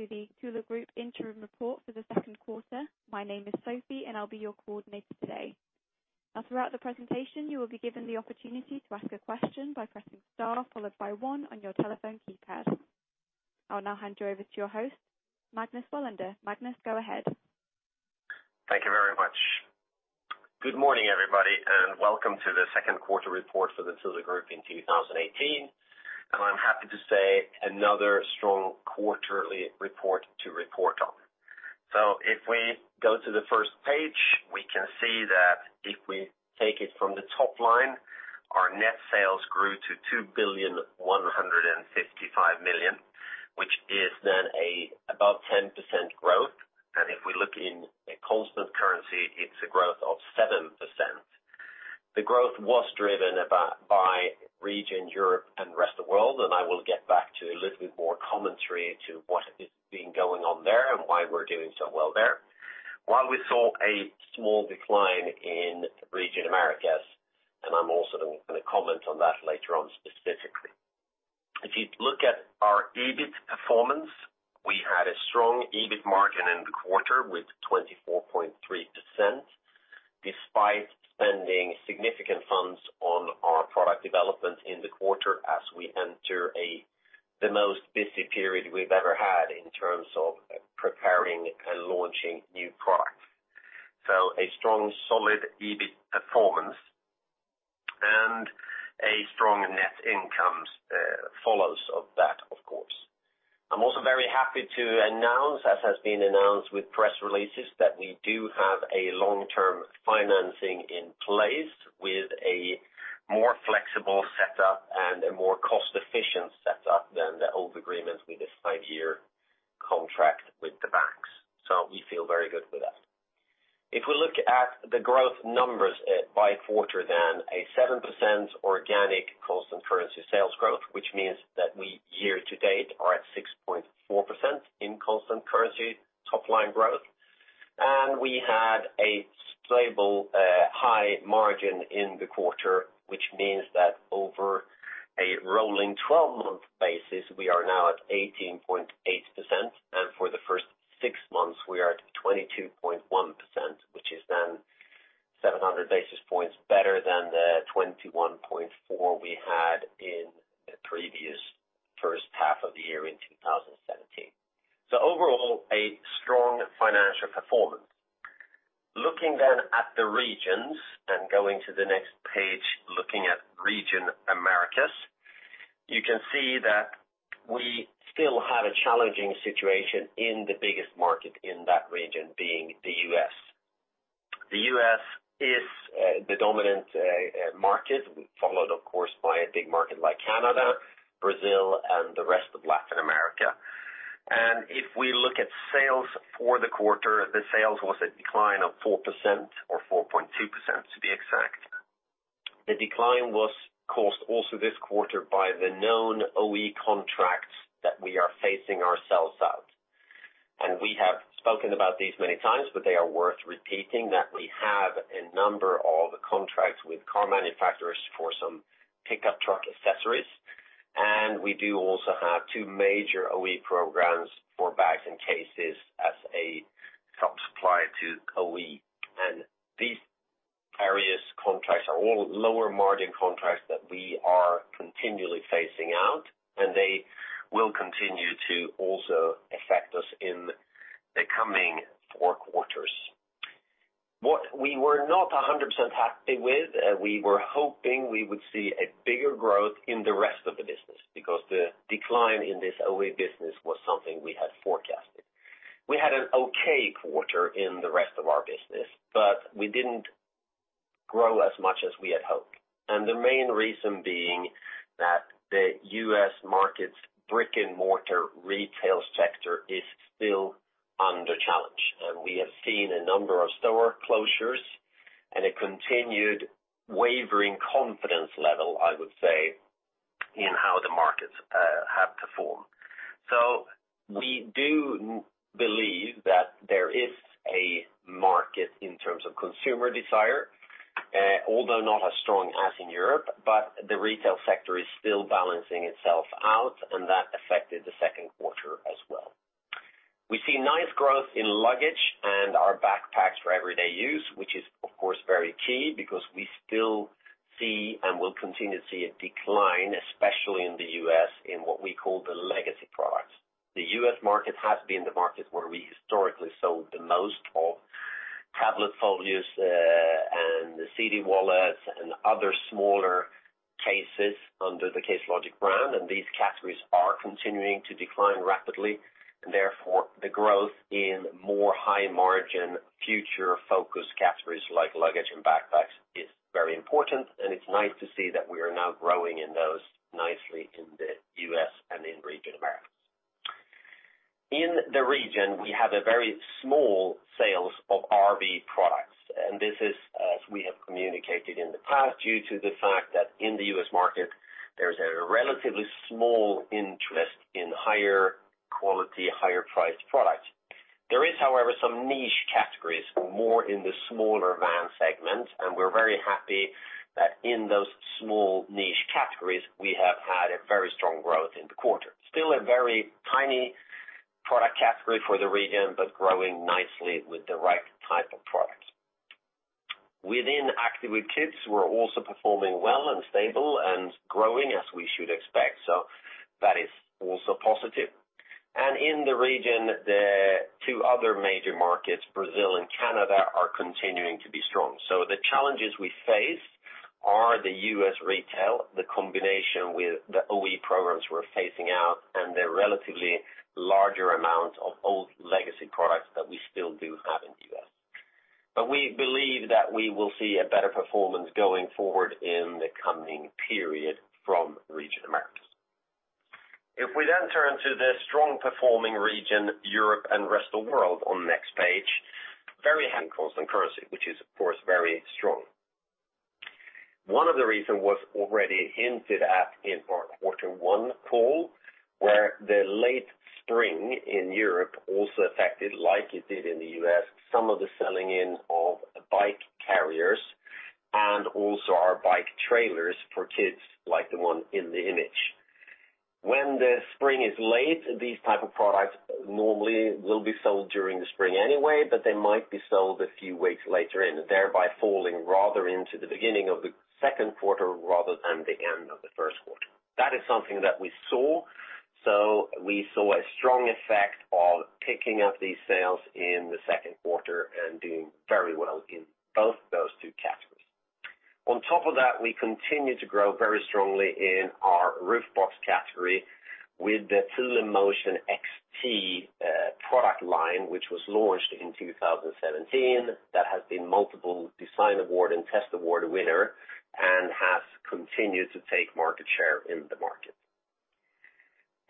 Welcome to the Thule Group interim report for the second quarter. My name is Sophie and I will be your coordinator today. Throughout the presentation, you will be given the opportunity to ask a question by pressing star followed by one on your telephone keypad. I will now hand you over to your host, Magnus Welander. Magnus, go ahead. Thank you very much. Good morning, everybody, welcome to the second quarter report for the Thule Group in 2018, I am happy to say another strong quarterly report to report on. If we go to the first page, we can see that if we take it from the top line, our net sales grew to 2,155 million, which is then about 10% growth. If we look in a constant currency, it is a growth of 7%. The growth was driven by region Europe and rest of world, I will get back to a little bit more commentary to what has been going on there and why we are doing so well there. While we saw a small decline in region Americas, I am also going to comment on that later on specifically. If you look at our EBIT performance, we had a strong EBIT margin in the quarter with 24.3%, despite spending significant funds on our product development in the quarter as we enter the most busy period we have ever had in terms of preparing and launching new products. A strong, solid EBIT performance and a strong net income follows of that, of course. I am also very happy to announce, as has been announced with press releases, that we do have a long-term financing in place with a more flexible setup and a more cost-efficient setup than the old agreement with a 5-year contract with the banks. We feel very good with that. If we look at the growth numbers by quarter, then a 7% organic constant currency sales growth, which means that we year-to-date are at 6.4% in constant currency top line growth. We had a stable high margin in the quarter, which means that over a rolling 12-month basis, we are now at 18.8%, and for the first six months, we are at 22.1%, which is then 700 basis points better than the 21.4% we had in the previous first half of the year in 2017. Overall, a strong financial performance. Looking at the regions and going to the next page, looking at region Americas, you can see that we still have a challenging situation in the biggest market in that region, being the U.S. The U.S. is the dominant market, followed of course by a big market like Canada, Brazil, and the rest of Latin America. If we look at sales for the quarter, the sales was a decline of 4% or 4.2% to be exact. The decline was caused also this quarter by the known OE contracts that we are phasing ourselves out. We have spoken about these many times, but they are worth repeating that we have a number of contracts with car manufacturers for some pickup truck accessories, and we do also have two major OE programs for bags and cases as a top supplier to OE. These various contracts are all lower margin contracts that we are continually phasing out, and they will continue to also affect us in the coming four quarters. What we were not 100% happy with, we were hoping we would see a bigger growth in the rest of the business because the decline in this OE business was something we had forecasted. We had an okay quarter in the rest of our business, but we didn't grow as much as we had hoped. The main reason being that the U.S. market's brick-and-mortar retail sector is still under challenge. We have seen a number of store closures and a continued wavering confidence level, I would say, in how the markets have to form. We do believe that there is a market in terms of consumer desire, although not as strong as in Europe, but the retail sector is still balancing itself out, and that affected the second quarter as well. We see nice growth in luggage and our backpacks for everyday use, which is of course very key because we still see and will continue to see a decline, especially in the U.S., in what we call the legacy products. The U.S. market has been the market where we historically sold the most of tablet folios and the CD wallets and other smaller cases under the Case Logic brand, and these categories are continuing to decline rapidly. Therefore, the growth in more high margin, future-focused categories like luggage and backpacks is very important, and it's nice to see that we are now growing in those nicely in the U.S. and in region Americas. In the region, we have a very small sales of RV Products, and this is, as we have communicated in the past, due to the fact that in the U.S. market, there's a relatively small interest in higher quality, higher priced products. There is, however, some niche categories more in the smaller van segments, and we're very happy that in those small niche categories, we have had a very strong growth in the quarter. Still a very tiny product category for the region, but growing nicely with the right type of product. Within Active with Kids, we're also performing well and stable and growing as we should expect. That is also positive. In the region, the two other major markets, Brazil and Canada, are continuing to be strong. The challenges we face are the U.S. retail, the combination with the OE programs we're phasing out, and the relatively larger amount of old legacy products that we still do have in the U.S. We believe that we will see a better performance going forward in the coming period from region Americas. If we then turn to the strong performing region, Europe and rest of world on next page, very handful some currency, which is of course very strong. One of the reason was already hinted at in our quarter one call, where the late spring in Europe also affected, like it did in the U.S., some of the selling in of bike carriers and also our bike trailers for kids, like the one in the image. When the spring is late, these type of products normally will be sold during the spring anyway, but they might be sold a few weeks later and thereby falling rather into the beginning of the second quarter rather than the end of the first quarter. That is something that we saw. We saw a strong effect of picking up these sales in the second quarter and doing very well in both those two categories. On top of that, we continue to grow very strongly in our roof box category with the Thule Motion XT product line, which was launched in 2017. That has been multiple design award and test award winner and has continued to take market share in the market.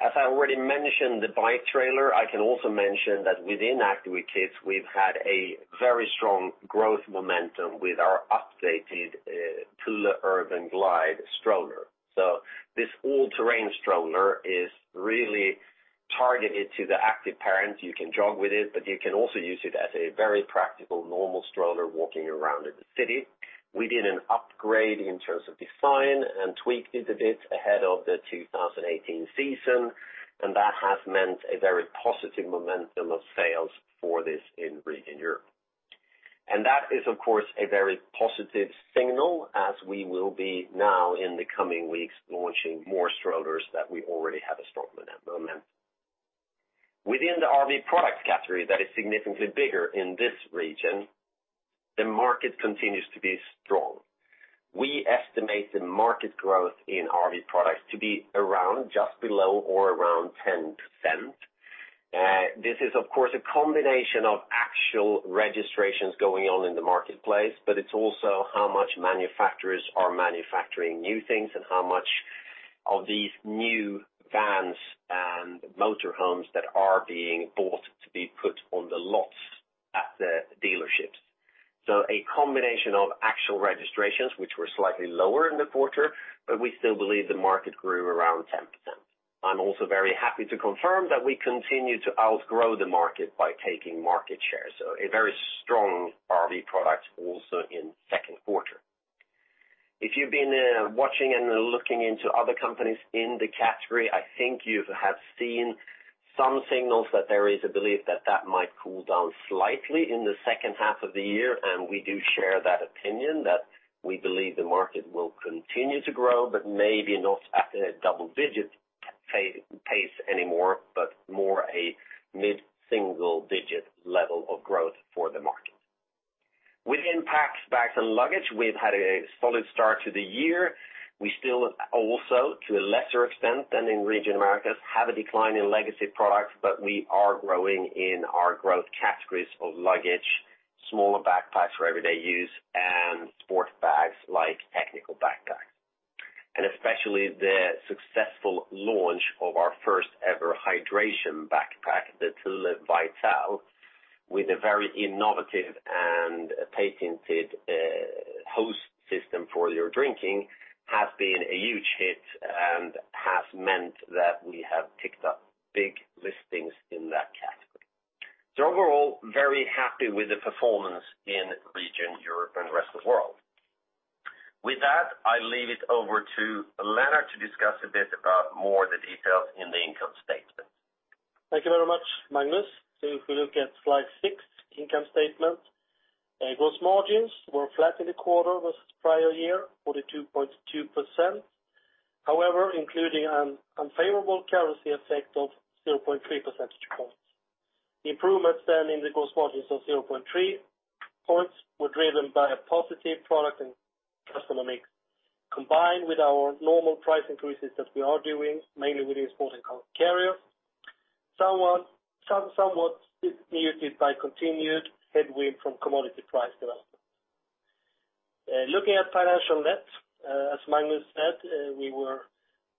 As I already mentioned, the bike trailer, I can also mention that within Active with Kids, we've had a very strong growth momentum with our updated Thule Urban Glide stroller. This all-terrain stroller is really targeted to the active parent. You can jog with it, but you can also use it as a very practical, normal stroller walking around in the city. We did an upgrade in terms of design and tweaked it a bit ahead of the 2018 season, and that has meant a very positive momentum of sales for this in region Europe. That is, of course, a very positive signal as we will be now in the coming weeks launching more strollers that we already have a strong momentum. Within the RV product category that is significantly bigger in this region, the market continues to be strong. We estimate the market growth in RV products to be around just below or around 10%. This is, of course, a combination of actual registrations going on in the marketplace, but it's also how much manufacturers are manufacturing new things and how much of these new vans and motor homes that are being bought to be put on the lots at the dealerships. A combination of actual registrations, which were slightly lower in the quarter, but we still believe the market grew around 10%. I'm also very happy to confirm that we continue to outgrow the market by taking market share. A very strong RV product also in second quarter. If you've been watching and looking into other companies in the category, I think you have seen some signals that there is a belief that that might cool down slightly in the second half of the year, and we do share that opinion that we believe the market will continue to grow, but maybe not at a double-digit pace anymore, but more a mid-single-digit level of growth for the market. Within packs, bags, and luggage, we've had a solid start to the year. We still also, to a lesser extent than in region Americas, have a decline in legacy products, but we are growing in our growth categories of luggage, smaller backpacks for everyday use, and sports bags like technical backpacks. Especially the successful launch of our first ever hydration backpack, the Thule Vital, with a very innovative and patented hose system for your drinking, has been a huge hit and has meant that we have picked up big listings in that category. Overall, very happy with the performance in region Europe and rest of world. With that, I leave it over to Lennart to discuss a bit about more of the details in the income statement. Thank you very much, Magnus. If we look at slide six, income statement. Gross margins were flat in the quarter versus prior year, 42.2%. However, including an unfavorable currency effect of 0.3 percentage points. The improvements then in the gross margins of 0.3 points were driven by a positive product and customer mix, combined with our normal price increases that we are doing, mainly within Sport&Cargo Carriers, somewhat muted by continued headwind from commodity price development. Looking at financial net, as Magnus said, we were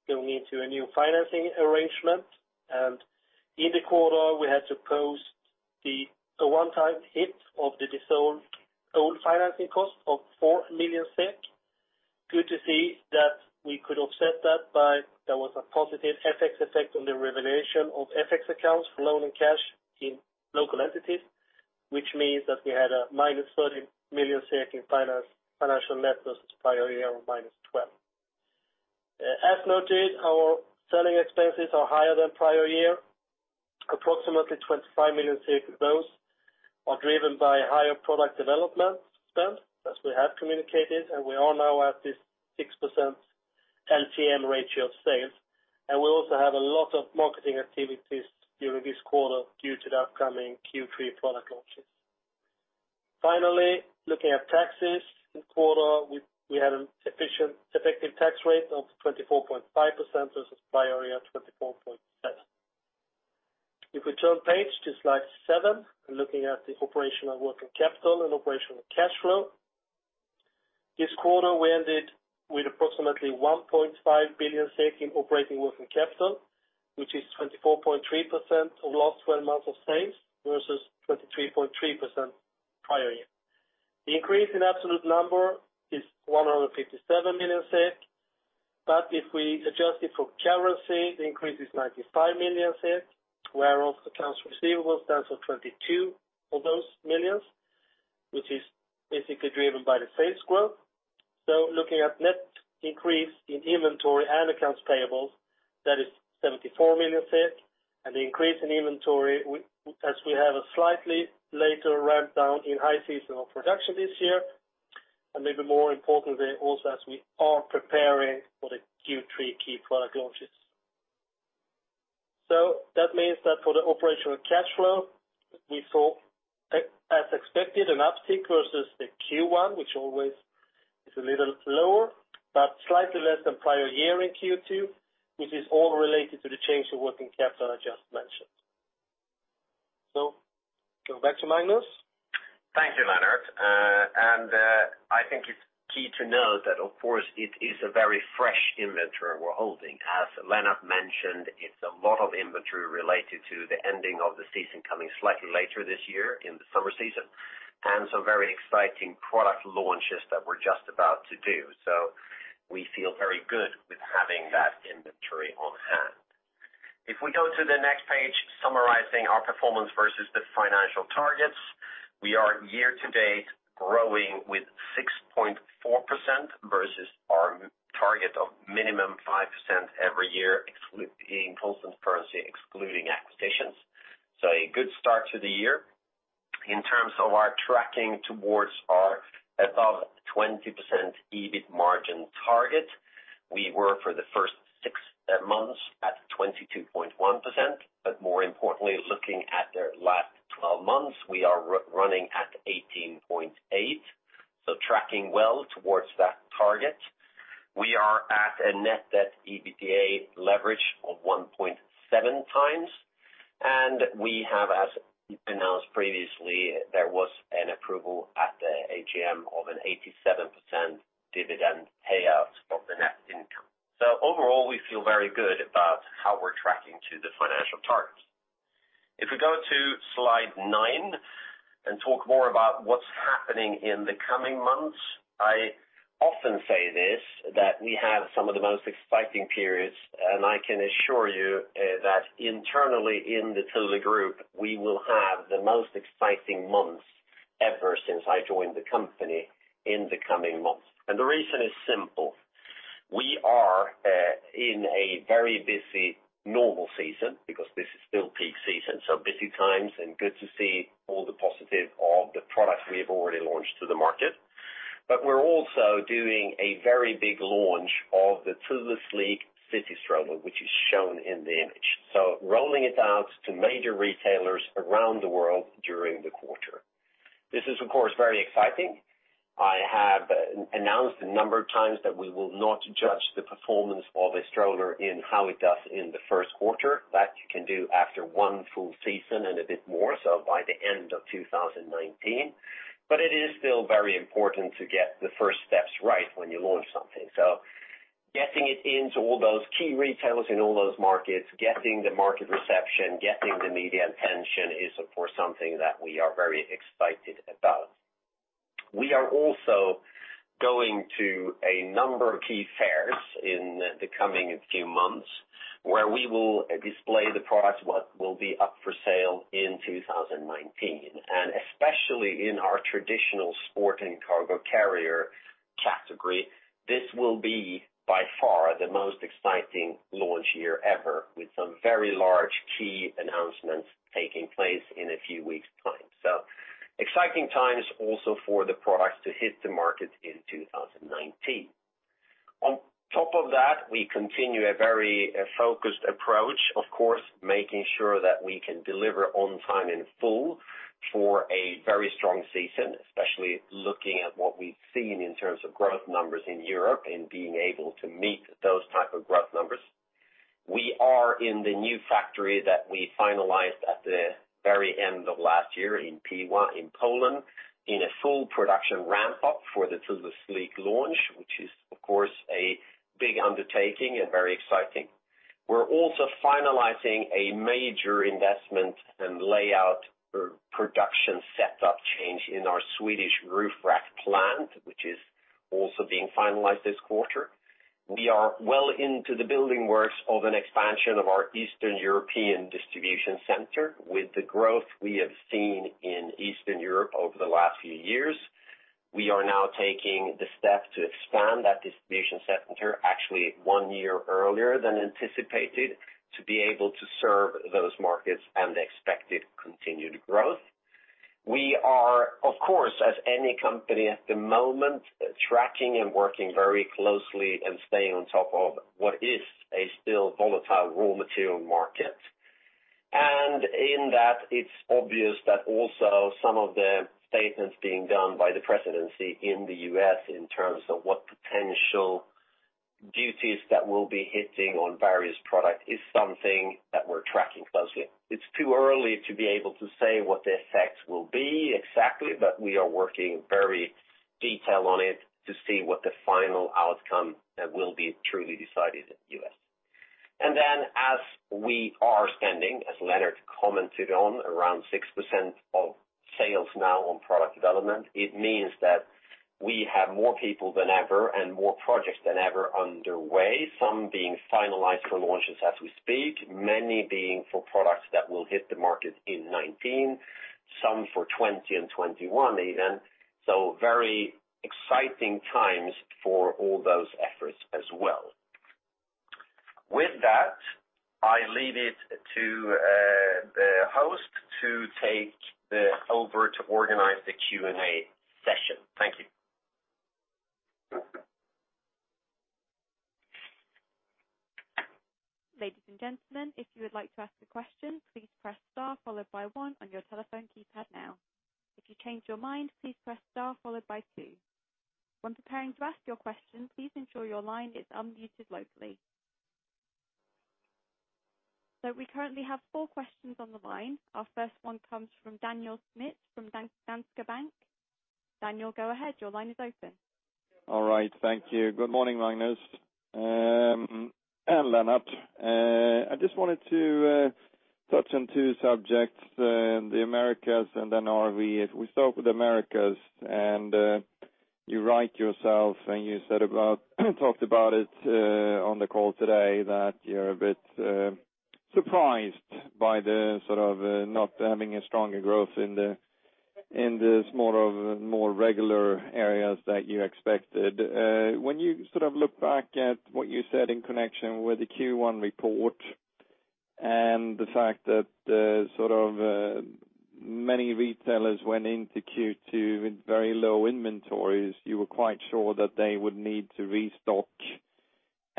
going into a new financing arrangement, and in the quarter, we had to post the one-time hit of the dissolved old financing cost of 4 million SEK. Good to see that we could offset that by there was a positive FX effect on the revelation of FX accounts for loan and cash in local entities, which means that we had a -30 million in financial net versus prior year of -12. As noted, our selling expenses are higher than prior year, approximately 25 million. Those are driven by higher product development spend as we have communicated, and we are now at this 6% LTM ratio of sales, and we also have a lot of marketing activities during this quarter due to the upcoming Q3 product launches. Finally, looking at taxes in quarter, we had an effective tax rate of 24.5% versus prior year 24.7%. If we turn page to slide seven, looking at the operational working capital and operational cash flow. This quarter, we ended with approximately 1.5 billion in operating working capital, which is 24.3% of last 12 months of sales versus 23.3% prior year. The increase in absolute number is 157 million, but if we adjust it for currency, the increase is 95 million, where of accounts receivable stands for 22 of those millions, which is basically driven by the sales growth. Looking at net increase in inventory and accounts payable, that is 74 million and the increase in inventory as we have a slightly later ramp down in high seasonal production this year, and maybe more importantly, also as we are preparing for the Q3 key product launches. That means that for the operational cash flow, we saw as expected an uptick versus the Q1, which always is a little lower, but slightly less than prior year in Q2, which is all related to the change of working capital I just mentioned. Go back to Magnus. Thank you, Lennart. I think it's key to note that of course it is a very fresh inventory we're holding. As Lennart mentioned, it's a lot of inventory related to the ending of the season coming slightly later this year in the summer season. Some very exciting product launches that we're just about to do. We feel very good with having that inventory on hand. If we go to the next page summarizing our performance versus the financial targets, we are year to date growing with 6.4% versus our target of minimum 5% every year in constant currency excluding acquisitions. A good start to the year in terms of our tracking towards our above 20% EBIT margin target. We were for the first six months at 22.1%, but more importantly looking at the last 12 months, we are running at 18.8%, so tracking well towards that target. We are at a net debt EBITDA leverage of 1.7 times, and we have, as announced previously, there was an approval at the AGM of an 87% dividend payout of the net income. Overall, we feel very good about how we're tracking to the financial targets. If we go to slide nine and talk more about what's happening in the coming months, I often say this, that we have some of the most exciting periods, and I can assure you that internally in the Thule Group, we will have the most exciting months ever since I joined the company in the coming months. The reason is simple. We are in a very busy normal season because this is still peak season, so busy times and good to see all the positive of the products we have already launched to the market. We're also doing a very big launch of the Thule Sleek city stroller, which is shown in the image. Rolling it out to major retailers around the world during the quarter. This is of course, very exciting. I have announced a number of times that we will not judge the performance of a stroller in how it does in the first quarter. That you can do after one full season and a bit more so by the end of 2019. It is still very important to get the first steps right when you launch something. Getting it into all those key retailers in all those markets, getting the market reception, getting the media attention is of course something that we are very excited about. We are also going to a number of key fairs in the coming few months where we will display the products what will be up for sale in 2019 and especially in our traditional Sport&Cargo Carriers category. This will be by far the most exciting launch year ever with some very large key announcements taking place in a few weeks time. Exciting times also for the products to hit the market in 2019. On top of that, we continue a very focused approach of course, making sure that we can deliver on time in full for a very strong season, especially looking at what we have seen in terms of growth numbers in Europe and being able to meet those type of growth numbers. We are in the new factory that we finalized at the very end of last year in Piła in Poland, in a full production ramp up for the Thule Sleek launch, which is of course a big undertaking and very exciting. We are also finalizing a major investment and layout production setup change in our Swedish roof rack plant, which is also being finalized this quarter. We are well into the building works of an expansion of our Eastern European distribution center. With the growth we have seen in Eastern Europe over the last few years, we are now taking the step to expand that distribution center actually one year earlier than anticipated, to be able to serve those markets and the expected continued growth. We are, of course, as any company at the moment, tracking and working very closely and staying on top of what is a still volatile raw material market. In that, it is obvious that also some of the statements being done by the presidency in the U.S. in terms of what potential duties that will be hitting on various product is something that we are tracking closely. It is too early to be able to say what the effects will be exactly, but we are working very detailed on it to see what the final outcome will be truly decided in the U.S. As we are spending, as Lennart commented on, around 6% of sales now on product development, it means that we have more people than ever and more projects than ever underway, some being finalized for launches as we speak, many being for products that will hit the market in 2019, some for 2020 and 2021 even. Very exciting times for all those efforts as well. With that, I leave it to the host to take over to organize the Q&A session. Thank you. Ladies and gentlemen, if you would like to ask a question, please press star followed by one on your telephone keypad now. If you change your mind, please press star followed by two. When preparing to ask your question, please ensure your line is unmuted locally. We currently have four questions on the line. Our first one comes from Daniel Schmidt from Danske Bank. Daniel, go ahead. Your line is open. All right. Thank you. Good morning, Magnus and Lennart. I just wanted to touch on two subjects, the Americas and then RV. If we start with Americas, and you write yourself and you talked about it on the call today that you're a bit surprised by the sort of not having a stronger growth in the more regular areas that you expected. When you sort of look back at what you said in connection with the Q1 report and the fact that many retailers went into Q2 with very low inventories, you were quite sure that they would need to restock,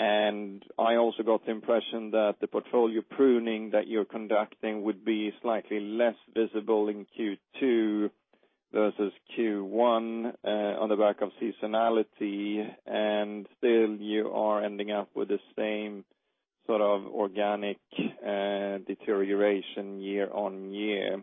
and I also got the impression that the portfolio pruning that you're conducting would be slightly less visible in Q2 versus Q1 on the back of seasonality. Still you are ending up with the same sort of organic deterioration year-on-year.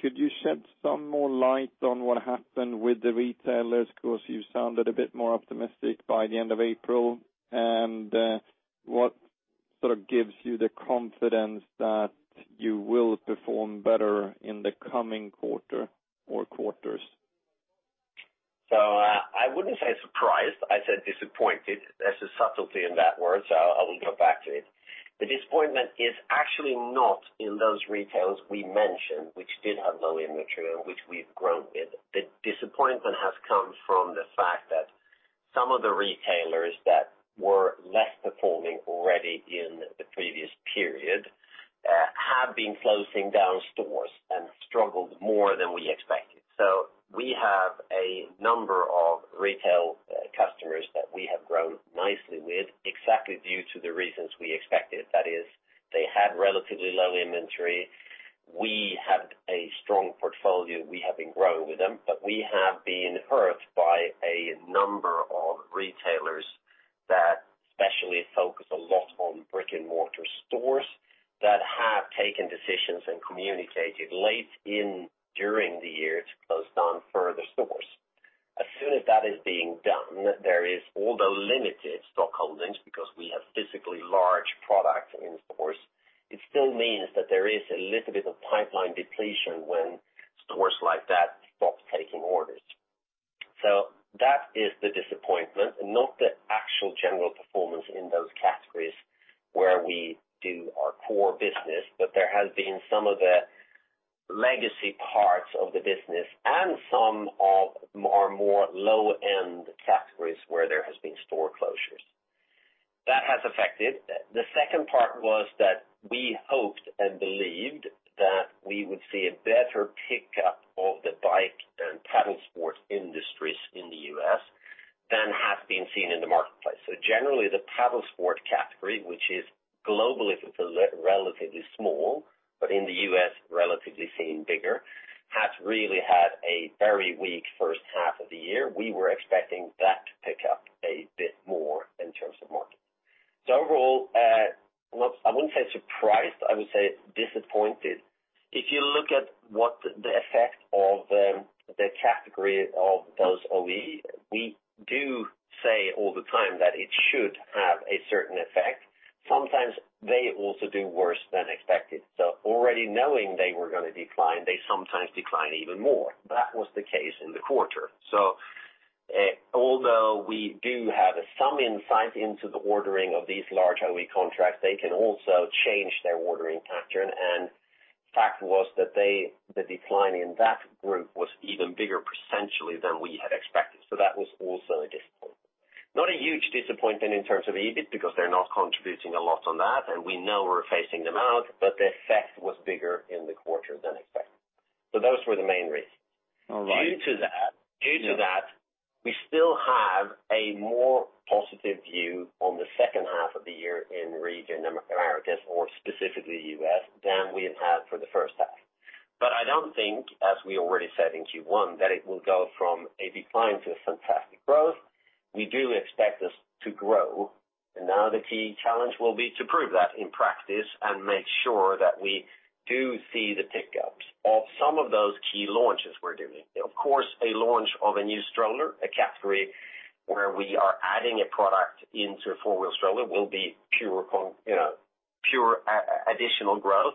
Could you shed some more light on what happened with the retailers? Because you sounded a bit more optimistic by the end of April. What sort of gives you the confidence that you will perform better in the coming quarter or quarters? I wouldn't say surprised. I said disappointed. There's a subtlety in that word, so I will go back to it. The disappointment is actually not in those retails we mentioned, which did have low inventory and which we've grown with. The disappointment has come from the fact that some of the retailers that were less performing already in the previous period have been closing down stores and struggled more than we expected. We have a number of retail customers that we have grown nicely with exactly due to the reasons we expected. That is, they had relatively low inventory. We have a strong portfolio. We have been growing with them, but we have been hurt by a number of retailers that especially focus a lot on brick-and-mortar stores that have taken decisions and communicated late in during the year to close down further stores. As soon as that is being done, there is all the limited stock holdings because we have physically large product in stores. It still means that there is a little bit of pipeline depletion when stores like that stop taking orders. That is the disappointment, not the actual general performance in those categories where we do our core business. There has been some of the legacy parts of the business and some of our more low-end categories where there has been store closures. That has affected. The second part was that we hoped and believed that we would see a better pickup of the bike and paddle sport industries in the U.S. than has been seen in the marketplace. Generally, the paddle sport category, which is globally relatively small, but in the U.S. relatively seen bigger, has really had a very weak first half of the year. We were expecting that to pick up a bit more in terms of market. Overall, I wouldn't say surprised. I would say disappointed If you look at what the effect of the category of those OE, we do say all the time that it should have a certain effect. Sometimes they also do worse than expected. Already knowing they were going to decline, they sometimes decline even more. That was the case in the quarter. Although we do have some insight into the ordering of these large OE contracts, they can also change their ordering pattern. Fact was that the decline in that group was even bigger percentually than we had expected. That was also a disappointment. Not a huge disappointment in terms of EBIT, because they're not contributing a lot on that, and we know we're phasing them out, the effect was bigger in the quarter than expected. Those were the main reasons. All right. We still have a more positive view on the second half of the year in the region Americas, or specifically U.S., than we have had for the first half. I do not think, as we already said in Q1, that it will go from a decline to a fantastic growth. We do expect this to grow, and now the key challenge will be to prove that in practice and make sure that we do see the pick-ups of some of those key launches we are doing. Of course, a launch of a new stroller, a category where we are adding a product into four-wheel stroller will be pure additional growth.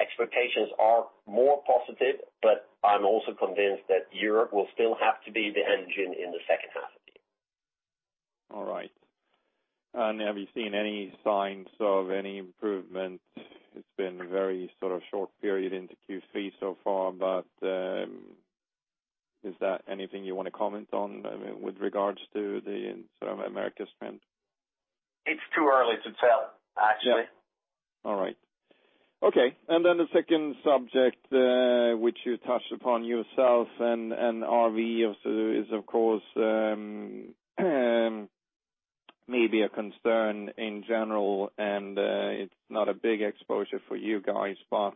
Expectations are more positive, but I am also convinced that Europe will still have to be the engine in the second half of the year. All right. Have you seen any signs of any improvement? It has been very short period into Q3 so far, but is that anything you want to comment on with regards to the Americas trend? It is too early to tell, actually. All right. The second subject, which you touched upon yourself and RV is, of course, maybe a concern in general, and it is not a big exposure for you guys. I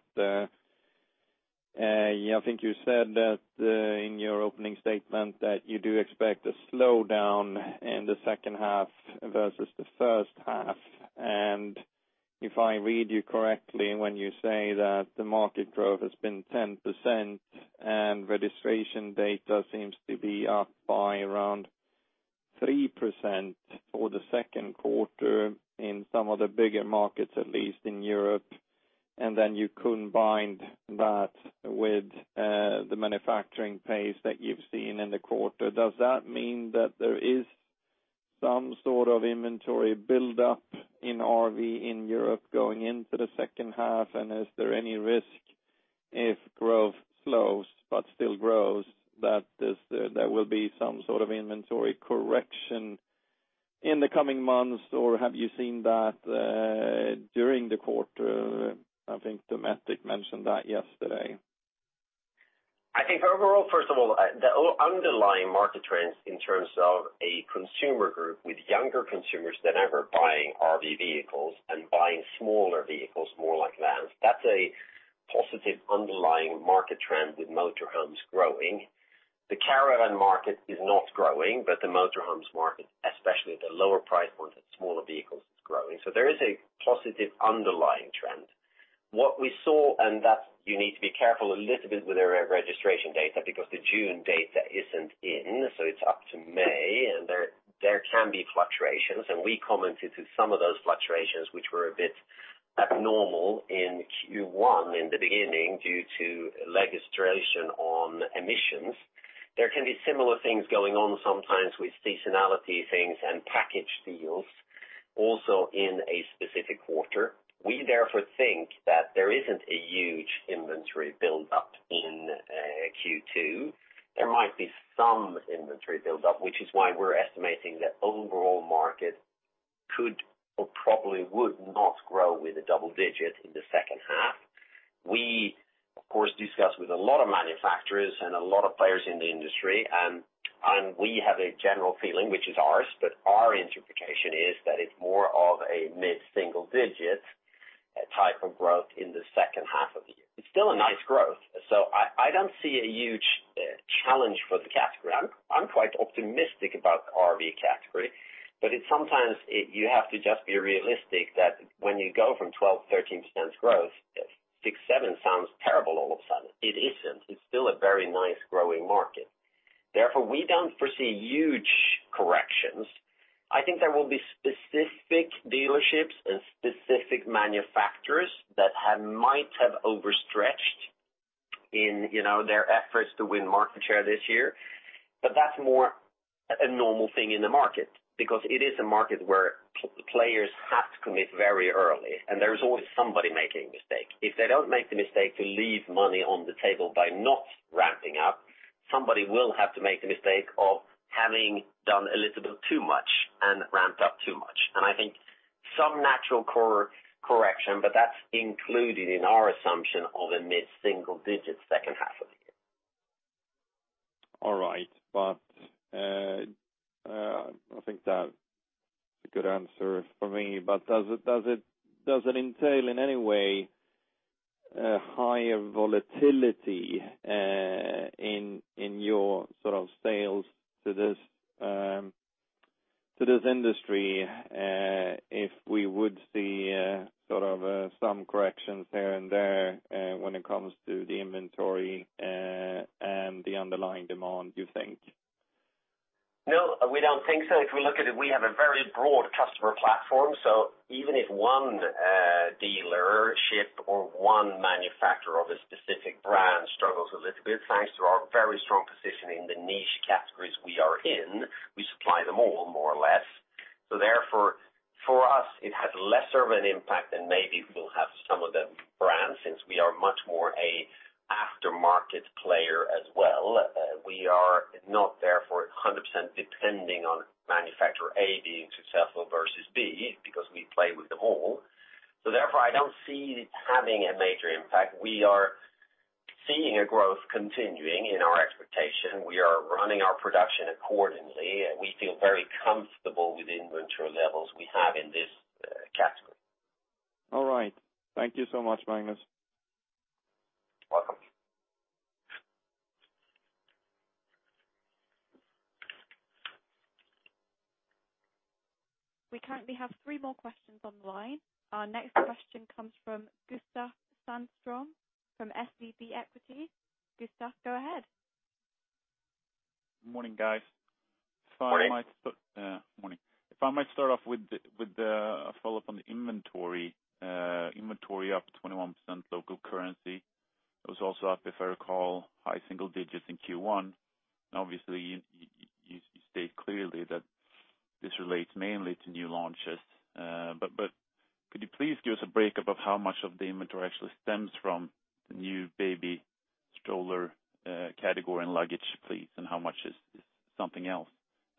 think you said that in your opening statement that you do expect a slowdown in the second half versus the first half. If I read you correctly, when you say that the market growth has been 10% and registration data seems to be up by around 3% for the second quarter in some of the bigger markets, at least in Europe, then you combined that with the manufacturing pace that you have seen in the quarter, does that mean that there is some sort of inventory build-up in RV in Europe going into the second half? Is there any risk if growth slows but still grows, that there will be some sort of inventory correction in the coming months? Have you seen that during the quarter? I think Dometic mentioned that yesterday. I think overall, first of all, the underlying market trends in terms of a consumer group with younger consumers than ever buying RV vehicles and buying smaller vehicles, more like vans, that's a positive underlying market trend with motor homes growing. The caravan market is not growing, but the motor homes market, especially the lower priced ones and smaller vehicles, is growing. There is a positive underlying trend. What we saw, and that you need to be careful a little bit with the registration data, because the June data isn't in, so it's up to May, and there can be fluctuations. We commented to some of those fluctuations, which were a bit abnormal in Q1 in the beginning due to legislation on emissions. There can be similar things going on sometimes with seasonality things and package deals also in a specific quarter. We therefore think that there isn't a huge inventory build-up in Q2. There might be some inventory build-up, which is why we're estimating that overall market could or probably would not grow with a double digit in the second half. We, of course, discuss with a lot of manufacturers and a lot of players in the industry, and we have a general feeling, which is ours, but our interpretation is that it's more of a mid-single digit type of growth in the second half of the year. It's still a nice growth. I don't see a huge challenge for the category. I'm quite optimistic about the RV category, but it's sometimes you have to just be realistic that when you go from 12%, 13% growth, six, seven sounds terrible all of a sudden. It isn't. It's still a very nice growing market. Therefore, we don't foresee huge corrections. I think there will be specific dealerships and specific manufacturers that might have overstretched in their efforts to win market share this year. That's more a normal thing in the market because it is a market where players have to commit very early, and there is always somebody making a mistake. If they don't make the mistake, they leave money on the table by not ramping up. Somebody will have to make the mistake of having done a little bit too much and ramped up too much. I think some natural correction, but that's included in our assumption of a mid-single digit second half of the year. I think that's a good answer for me. Does it entail in any way a higher volatility in your sales to this industry, if we would see some corrections here and there when it comes to the inventory and the underlying demand, do you think? No, we don't think so. If we look at it, we have a very broad customer platform. Even if one dealership or one manufacturer of a specific brand struggles a little bit, thanks to our very strong position in the niche categories we are in, we supply them all, more or less. Therefore, for us, it has lesser of an impact than maybe it will have to some of the brands, since we are much more an aftermarket player as well. We are not therefore 100% depending on manufacturer A being successful versus B, because we play with them all. Therefore, I don't see it having a major impact. We are seeing a growth continuing in our expectation. We are running our production accordingly, and we feel very comfortable with the inventory levels we have in this category. All right. Thank you so much, Magnus. Welcome. We currently have three more questions on the line. Our next question comes from Gustav Hagéus from SEB Equity. Gustav, go ahead. Morning, guys. Morning. Morning. If I might start off with a follow-up on the inventory. Inventory up 21% local currency. It was also up, if I recall, high single digits in Q1. Obviously, you state clearly that this relates mainly to new launches. Could you please give us a breakup of how much of the inventory actually stems from the new baby stroller category and luggage, please? How much is something else?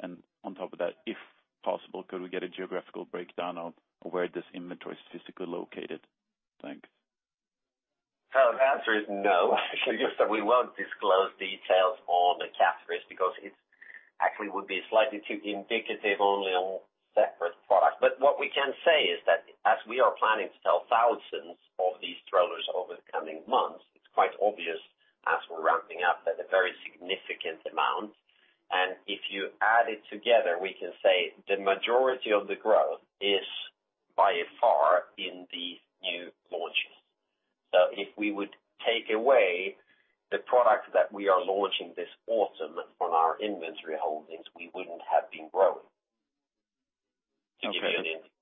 On top of that, if possible, could we get a geographical breakdown of where this inventory is physically located? Thanks. The answer is no. We won't disclose details on the categories because it actually would be slightly too indicative only on separate products. What we can say is that as we are planning to sell thousands of these strollers over the coming months, it's quite obvious as we're ramping up at a very significant amount. If you add it together, we can say the majority of the growth is by far in these new launches. If we would take away the products that we are launching this autumn from our inventory holdings, we wouldn't have been growing. Okay. To give you an input.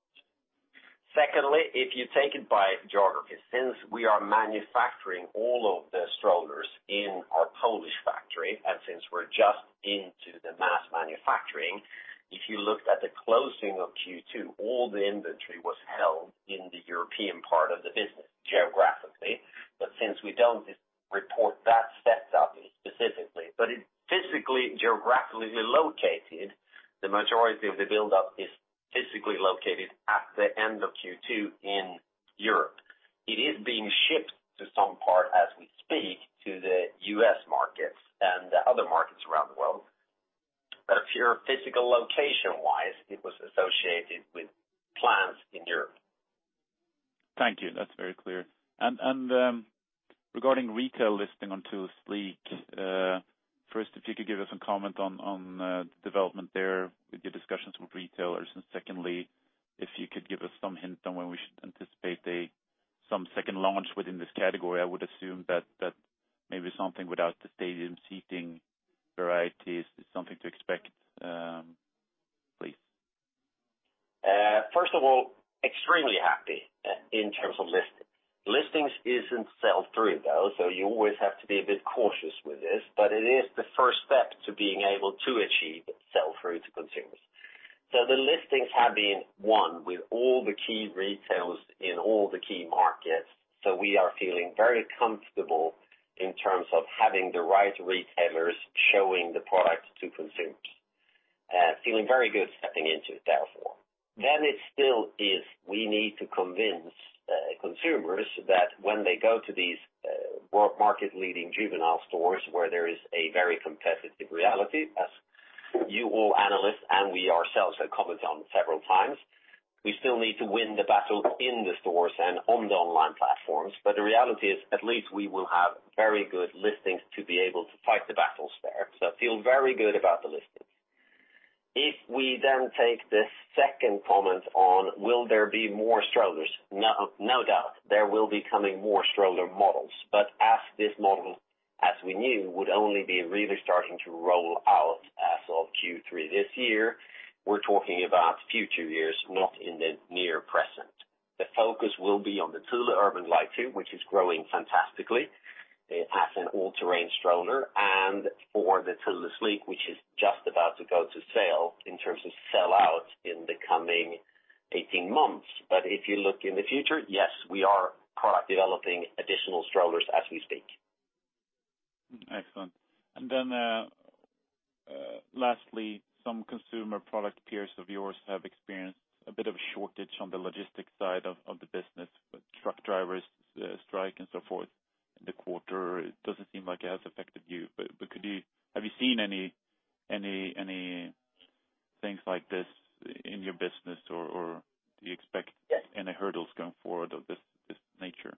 Secondly, if you take it by geography, since we are manufacturing all of the strollers in our Polish factory, and since we're just into the mass manufacturing, if you looked at the closing of Q2, all the inventory was held in the European part of the business geographically. Since we don't report that setup specifically, but it physically geographically located, the majority of the buildup is physically located at the end of Q2 in Europe. It is being shipped to some part as we speak to the U.S. markets and other markets around the world. If you're physical location-wise, it was associated with plants in Europe. Thank you. That's very clear. Regarding retail listing on Thule Sleek, first, if you could give us a comment on the development there with your discussions with retailers. Secondly, if you could give us some hint on when we should anticipate some second launch within this category. I would assume that maybe something without the stadium seating varieties is something to expect, please. First of all, extremely happy in terms of listings. Listings isn't sell-through, though, so you always have to be a bit cautious with this, but it is the first step to being able to achieve sell-through to consumers. The listings have been one with all the key retailers in all the key markets. We are feeling very comfortable in terms of having the right retailers showing the products to consumers. Feeling very good stepping into it, therefore. It still is we need to convince consumers that when they go to these world market-leading juvenile stores where there is a very competitive reality, as you all analysts and we ourselves have commented on several times, we still need to win the battle in the stores and on the online platforms. The reality is at least we will have very good listings to be able to fight the battles there. Feel very good about the listings. If we take the second comment on will there be more strollers? No doubt. There will be coming more stroller models, as this model, as we knew, would only be really starting to roll out as of Q3 this year, we're talking about future years, not in the near present. The focus will be on the Thule Urban Glide 2 which is growing fantastically as an all-terrain stroller, and for the Thule Sleek which is just about to go to sale in terms of sell-out in the coming 18 months. If you look in the future, yes, we are product developing additional strollers as we speak. Excellent. Lastly, some consumer product peers of yours have experienced a bit of a shortage on the logistics side of the business with truck drivers strike and so forth in the quarter. It doesn't seem like it has affected you, have you seen any things like this in your business? Do you expect any hurdles going forward of this nature?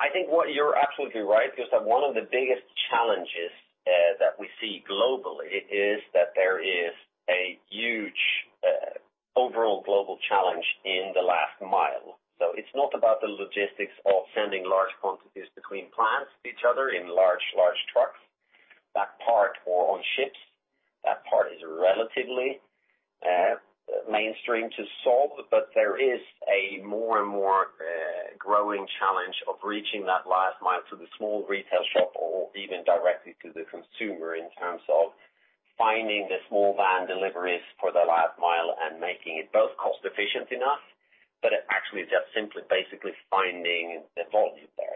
I think you're absolutely right, Gustav. One of the biggest challenges that we see globally is that there is a huge overall global challenge in the last mile. It's not about the logistics of sending large quantities between plants to each other in large trucks or on ships. That part is relatively mainstream to solve, but there is a more and more growing challenge of reaching that last mile to the small retail shop or even directly to the consumer in terms of finding the small van deliveries for the last mile and making it both cost-efficient enough, but it actually is just simply basically finding the volume there.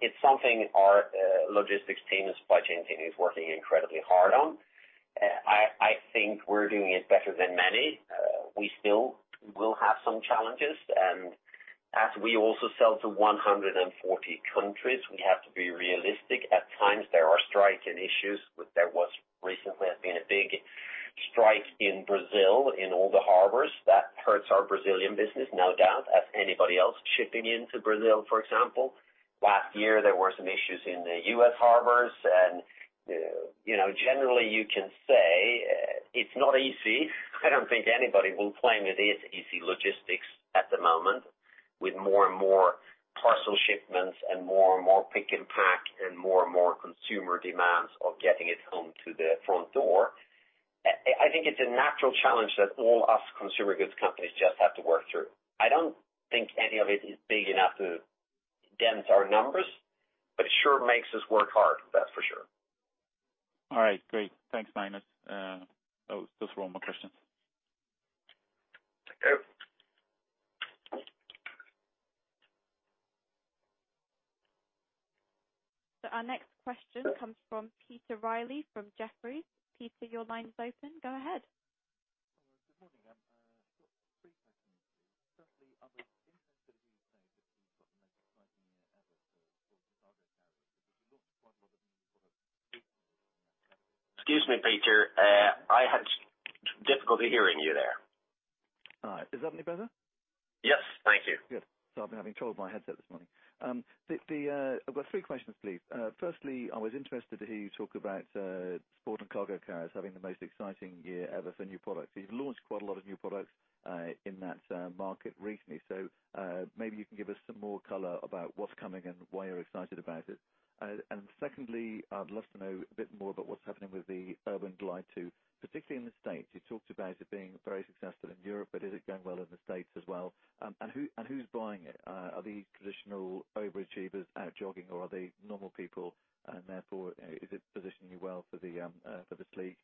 It's something our logistics team, supply chain team is working incredibly hard on. I think we're doing it better than many. We still will have some challenges. As we also sell to 140 countries, we have to be realistic. At times, there are strike and issues. There was recently has been a big strike in Brazil in all the harbors. That hurts our Brazilian business, no doubt, as anybody else shipping into Brazil, for example. Last year, there were some issues in the U.S. harbors. Generally, you can say it's not easy. I don't think anybody will claim it is easy logistics at the moment, with more and more parcel shipments and more and more pick and pack and more and more consumer demands of getting it home to the front door. I think it's a natural challenge that all us consumer goods companies just have to work through. I don't think any of it is big enough to dent our numbers, but it sure makes us work hard, that's for sure. All right, great. Thanks, Magnus. Those were all my questions. Thank you. Our next question comes from Peter Riley from Jefferies. Peter, your line is open. Go ahead. Good morning. I've got three questions for you. Certainly, I was interested to hear you say that you've got the most exciting year ever for Sport&Cargo Carriers. You've launched quite a lot of new products in that category- Excuse me, Peter. I had difficulty hearing you there. All right. Is that any better? Yes. Thank you. Good. Sorry, I'm having trouble with my headset this morning. I've got three questions, please. Firstly, I was interested to hear you talk about Sport and Cargo Carriers having the most exciting year ever for new products. You've launched quite a lot of new products in that market recently. Maybe you can give us some more color about what's coming and why you're excited about it. Secondly, I'd love to know a bit more about what's happening with the Urban Glide 2, particularly in the U.S. You talked about it being very successful in Europe, is it going well in the U.S. as well? Who's buying it? Are these traditional overachievers out jogging, or are they normal people, and therefore, is it positioning you well for Thule Sleek?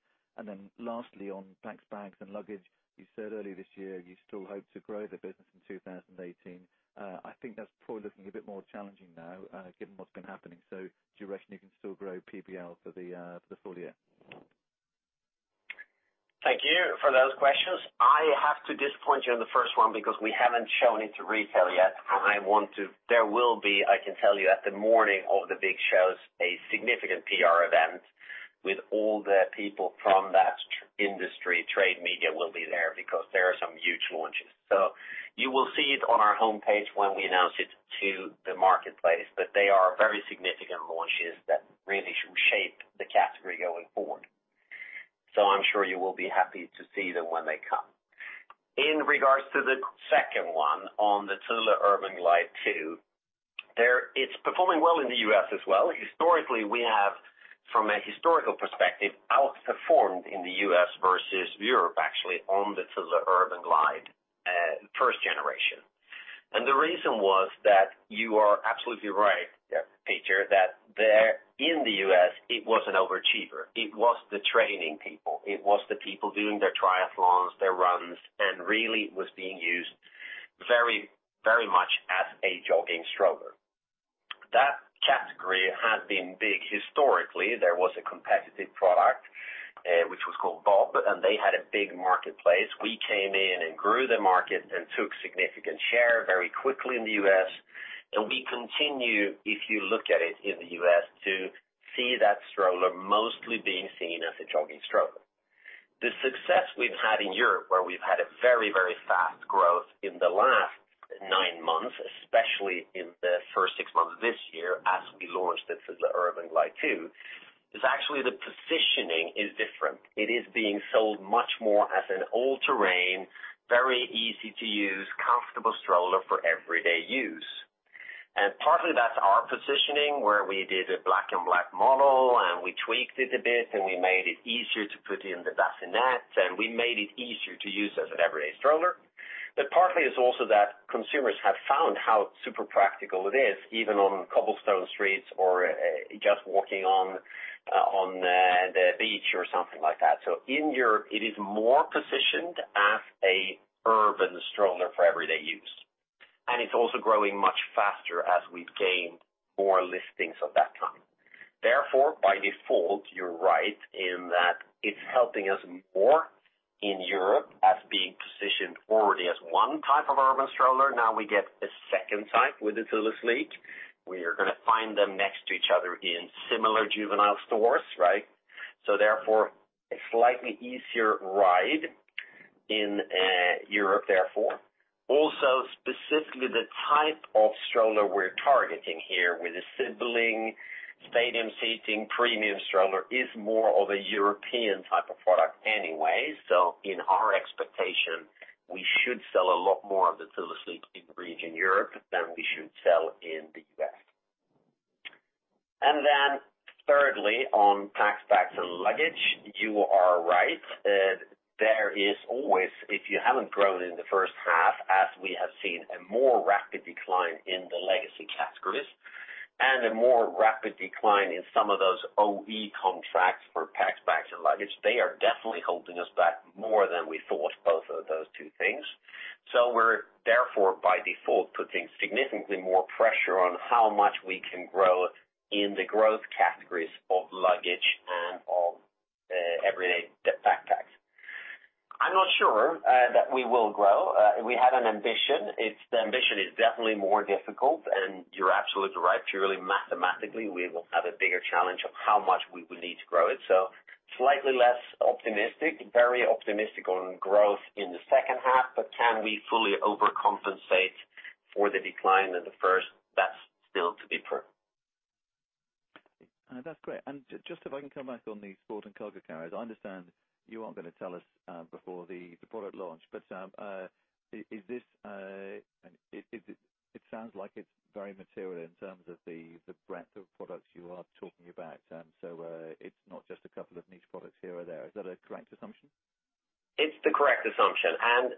Lastly, on bags and luggage, you said earlier this year you still hope to grow the business in 2018. I think that's probably looking a bit more challenging now given what's been happening. Do you reckon you can still grow PBL for the full year? Thank you for those questions. I have to disappoint you on the first one because we haven't shown it to retail yet. There will be, I can tell you at the morning of the big shows, a significant PR event with all the people from that industry, trade media will be there because there are some huge launches. You will see it on our homepage when we announce it to the marketplace. They are very significant launches that really should shape the category going forward. I'm sure you will be happy to see them when they come. In regards to the second one on the Thule Urban Glide 2, it's performing well in the U.S. as well. Historically, we have, from a historical perspective, outperformed in the U.S. versus Europe, actually, on the Thule Urban Glide, first generation. The reason was that you are absolutely right, Peter, that there in the U.S., it was an overachiever. It was the training people. It was the people doing their triathlons, their runs, and really was being used very much as a jogging stroller. That category had been big historically. There was a competitive product, which was called BOB Gear, and they had a big marketplace. We came in and grew the market and took significant share very quickly in the U.S., and we continue, if you look at it in the U.S., to see that stroller mostly being seen as a jogging stroller. The success we've had in Europe, where we've had a very, very fast growth in the last nine months, especially in the first six months of this year as we launched the Thule Urban Glide 2, is actually the positioning is different. It is being sold much more as an all-terrain, very easy-to-use, comfortable stroller for everyday use. Partly that's our positioning, where we did a black and black model, and we tweaked it a bit, and we made it easier to put in the bassinet, and we made it easier to use as an everyday stroller. Partly it's also that consumers have found how super practical it is, even on cobblestone streets or just walking on the beach or something like that. In Europe, it is more positioned as an urban stroller for everyday use. It's also growing much faster as we've gained more listings of that kind. Therefore, by default, you're right in that it's helping us more in Europe as being positioned already as one type of urban stroller. Now we get a second type with the Thule Sleek. We are going to find them next to each other in similar juvenile stores, right? Therefore, a slightly easier ride in Europe therefore. Also, specifically the type of stroller we're targeting here with a sibling stadium seating premium stroller is more of a European type of product anyway. In our expectation, we should sell a lot more of the Thule Sleek in region Europe than we should sell in the U.S. Thirdly, on packs, bags, and luggage, you are right. There is always, if you haven't grown in the first half, as we have seen a more rapid decline in the legacy categories, and a more rapid decline in some of those OE contracts for packs, bags, and luggage, they are definitely holding us back more than we thought, both of those two things. We're therefore by default, putting significantly more pressure on how much we can grow in the growth categories of luggage and of everyday backpacks. I'm not sure that we will grow. We have an ambition. The ambition is definitely more difficult, and you're absolutely right, purely mathematically, we will have a bigger challenge of how much we would need to grow it. Slightly less optimistic, very optimistic on growth in the second half, but can we fully overcompensate for the decline in the first? That's still to be proven. That's great. Just if I can come back on the Sport&Cargo Carriers, I understand you aren't going to tell us before the product launch, but it sounds like it's very material in terms of the breadth of products you are talking about. It's not just a couple of niche products here or there. Is that a correct assumption? It's the correct assumption.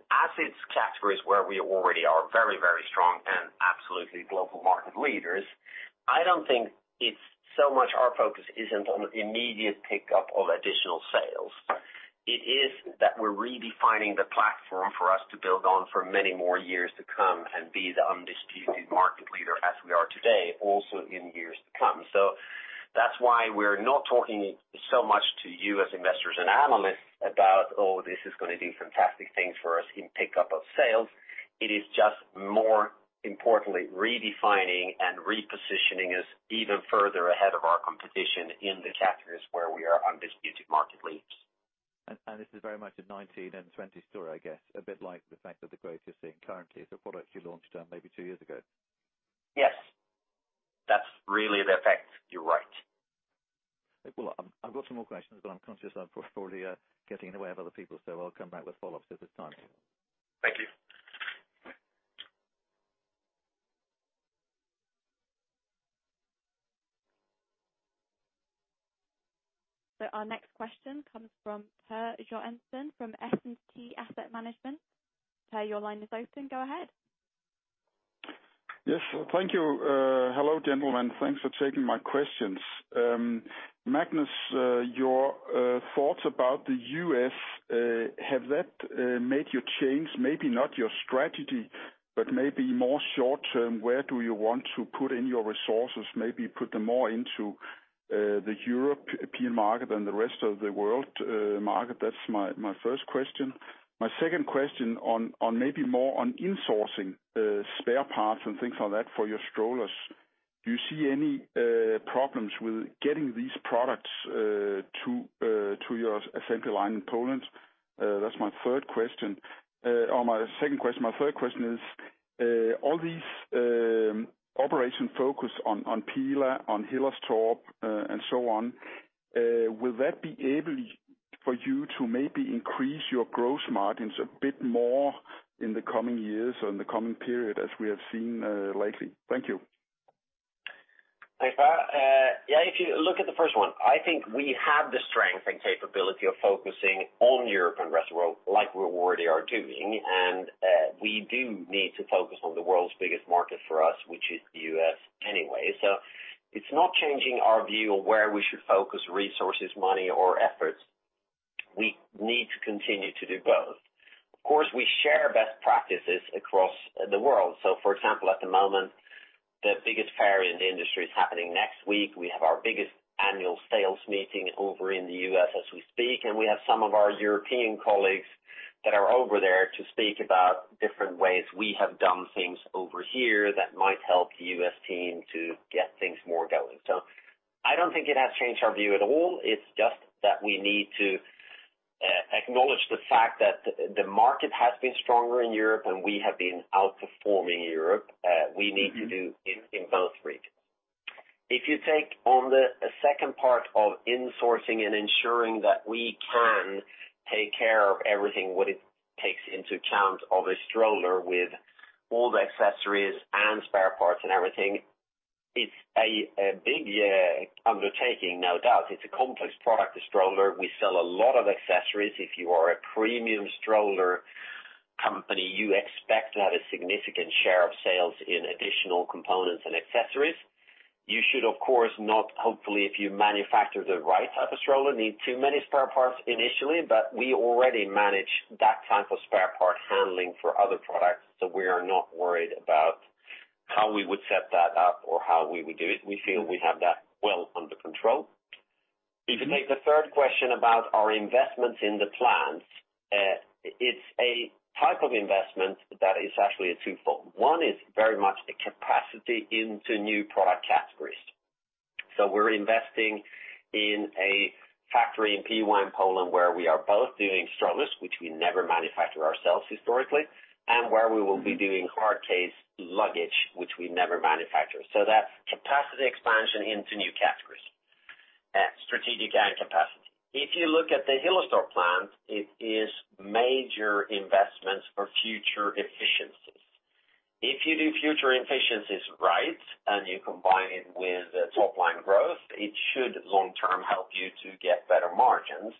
As it's categories where we already are very, very strong and absolutely global market leaders, I don't think it's so much our focus isn't on immediate pickup of additional sales. It is that we're redefining the platform for us to build on for many more years to come and be the undisputed market leader as we are today, also in years to come. That's why we're not talking so much to you as investors and analysts about, "Oh, this is going to do fantastic things for us in pickup of sales." It is just more importantly, redefining and repositioning us even further ahead of our competition in the categories where we are undisputed market leaders. This is very much a 2019 and 2020 story, I guess, a bit like the fact that the greatest thing currently is the products you launched maybe two years ago. Yes. That's really the effect. You're right. Well, I've got some more questions, but I'm conscious I'm probably getting in the way of other people, so I'll come back with follow-ups at this time. Thank you. Our next question comes from Per Johansson from S&T Asset Management. Per, your line is open. Go ahead. Yes. Thank you. Hello, gentlemen. Thanks for taking my questions. Magnus, your thoughts about the U.S., has that made you change maybe not your strategy, but maybe more short term, where do you want to put in your resources, maybe put them more into the European market than the rest of the world market? That's my first question. My second question on maybe more on insourcing spare parts and things like that for your strollers. Do you see any problems with getting these products to your assembly line in Poland? That's my third question, or my second question. My third question is, all these operation focus on Piła, on Hillerstorp, and so on, will that be able for you to maybe increase your gross margins a bit more in the coming years or in the coming period as we have seen lately? Thank you. Thanks, Per. Yeah, if you look at the first one, I think we have the strength and capability of focusing on Europe and rest of world like we already are doing, we do need to focus on the world's biggest market for us, which is the U.S. anyway. It's not changing our view of where we should focus resources, money, or efforts. We need to continue to do both. Of course, we share best practices across the world. For example, at the moment, the biggest fair in the industry is happening next week. We have our biggest annual sales meeting over in the U.S. as we speak, and we have some of our European colleagues that are over there to speak about different ways we have done things over here that might help the U.S. team to get things more going. I don't think it has changed our view at all. It's just that we need to acknowledge the fact that the market has been stronger in Europe, and we have been outperforming Europe. We need to do in both regions. If you take on the second part of insourcing and ensuring that we can take care of everything, what it takes into account of a stroller with all the accessories and spare parts and everything, it's a big undertaking, no doubt. It's a complex product, a stroller. We sell a lot of accessories. If you are a premium stroller company, you expect to have a significant share of sales in additional components and accessories. You should, of course, not, hopefully, if you manufacture the right type of stroller, need too many spare parts initially, but we already manage that type of spare part handling for other products, so we are not worried about how we would set that up or how we would do it. We feel we have that well under control. If you take the third question about our investments in the plants, it's a type of investment that is actually a twofold. One is very much a capacity into new product categories. We're investing in a factory in Piła Poland, where we are both doing strollers, which we never manufacture ourselves historically, and where we will be doing hard case luggage, which we never manufacture. That capacity expansion into new categories, strategic and capacity. If you look at the Hillerstorp plant, it is major investments for future efficiencies. If you do future efficiencies right, and you combine it with top-line growth, it should long-term help you to get better margins.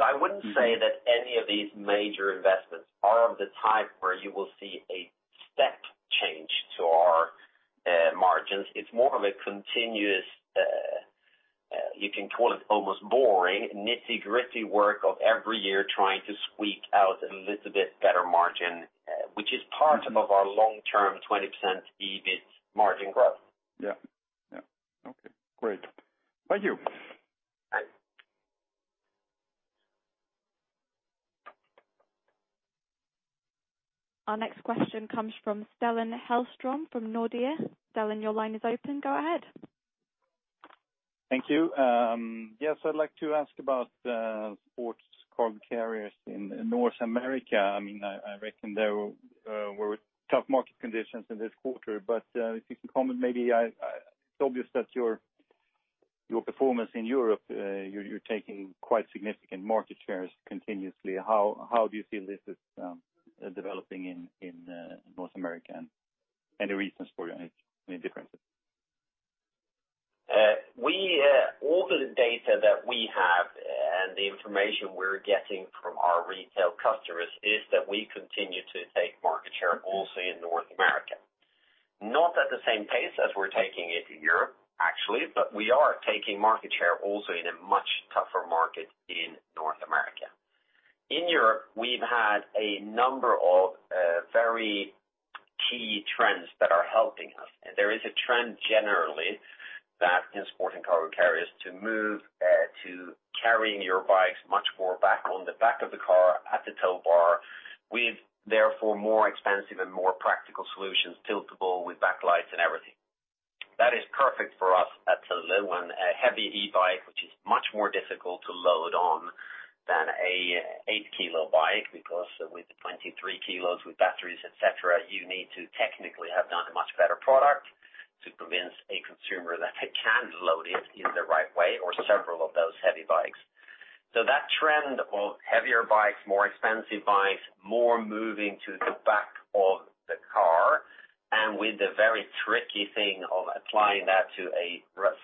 I wouldn't say that any of these major investments are of the type where you will see a step change to our margins. It's more of a continuous, you can call it almost boring, nitty-gritty work of every year trying to squeak out a little bit better margin, which is part of our long-term 20% EBIT margin growth. Yeah. Okay, great. Thank you. Bye. Our next question comes from Stellan Hellström from Nordea. Stellan, your line is open. Go ahead. Thank you. Yes, I'd like to ask about Sport&Cargo Carriers in North America. I reckon there were tough market conditions in this quarter, if you can comment, maybe it's obvious that your performance in Europe, you're taking quite significant market shares continuously. How do you feel this is developing in North America and the reasons for any differences? All the data that we have and the information we're getting from our retail customers is that we continue to take market share also in North America. Not at the same pace as we're taking it in Europe, actually, but we are taking market share also in a much tougher market in North America. In Europe, we've had a number of very key trends that are helping us. There is a trend generally that in Sport&Cargo Carriers to move to carrying your bikes much more back on the back of the car at the tow bar, with therefore more expensive and more practical solutions, tiltable with backlights and everything. That is perfect for us at Thule, when a heavy e-bike, which is much more difficult to load on than an eight-kilo bike, because with 23 kilos with batteries, et cetera, you need to technically have done a much better product to convince a consumer that they can load it in the right way or several of those heavy bikes. That trend of heavier bikes, more expensive bikes, more moving to the back of the car, and with the very tricky thing of applying that to a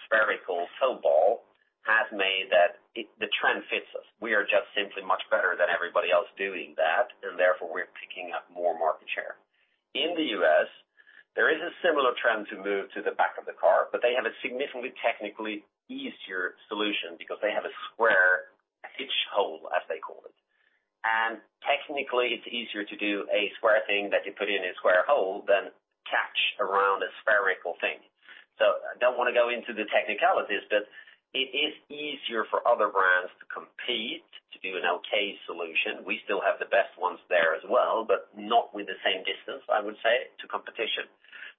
spherical tow ball has made that the trend fits us. We are just simply much better than everybody else doing that, and therefore we're picking up more market share. In the U.S., there is a similar trend to move to the back of the car, but they have a significantly technically easier solution because they have a square hitch hole, as they call it. Technically, it's easier to do a square thing that you put in a square hole than catch around a spherical thing. I don't want to go into the technicalities, but it is easier for other brands to compete to do an okay solution. We still have the best ones there as well, but not with the same distance, I would say, to competition.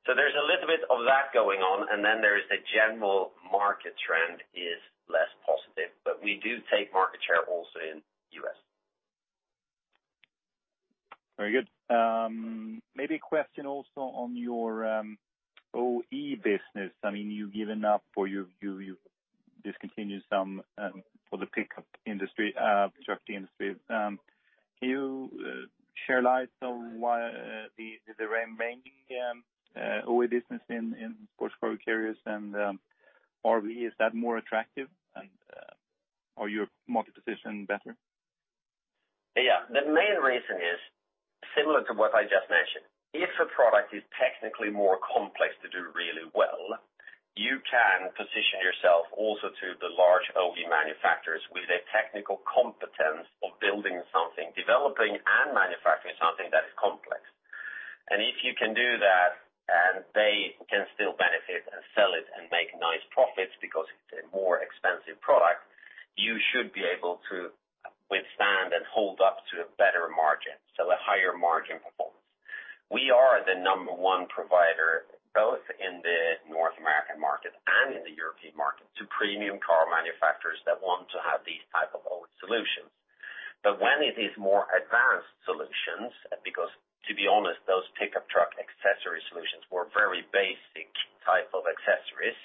There's a little bit of that going on, the general market trend is less positive, but we do take market share also in U.S. Very good. Maybe a question also on your OE business. You've given up or you've discontinued some for the pickup industry, truck industry. Can you share light on why the remaining OE business in Sport&Cargo Carriers and RV, is that more attractive? Are your market position better? Yeah. The main reason is similar to what I just mentioned. If a product is technically more complex to do really well, you can position yourself also to the large OE manufacturers with a technical competence of building something, developing and manufacturing something that is complex. If you can do that and they can still benefit and sell it and make nice profits because it's a more expensive product, you should be able to withstand and hold up to a better margin. A higher margin performance. We are the number 1 provider, both in the North American market and in the European market, to premium car manufacturers that want to have these type of OE solutions. When it is more advanced solutions, because to be honest, those pickup truck accessory solutions were very basic type of accessories.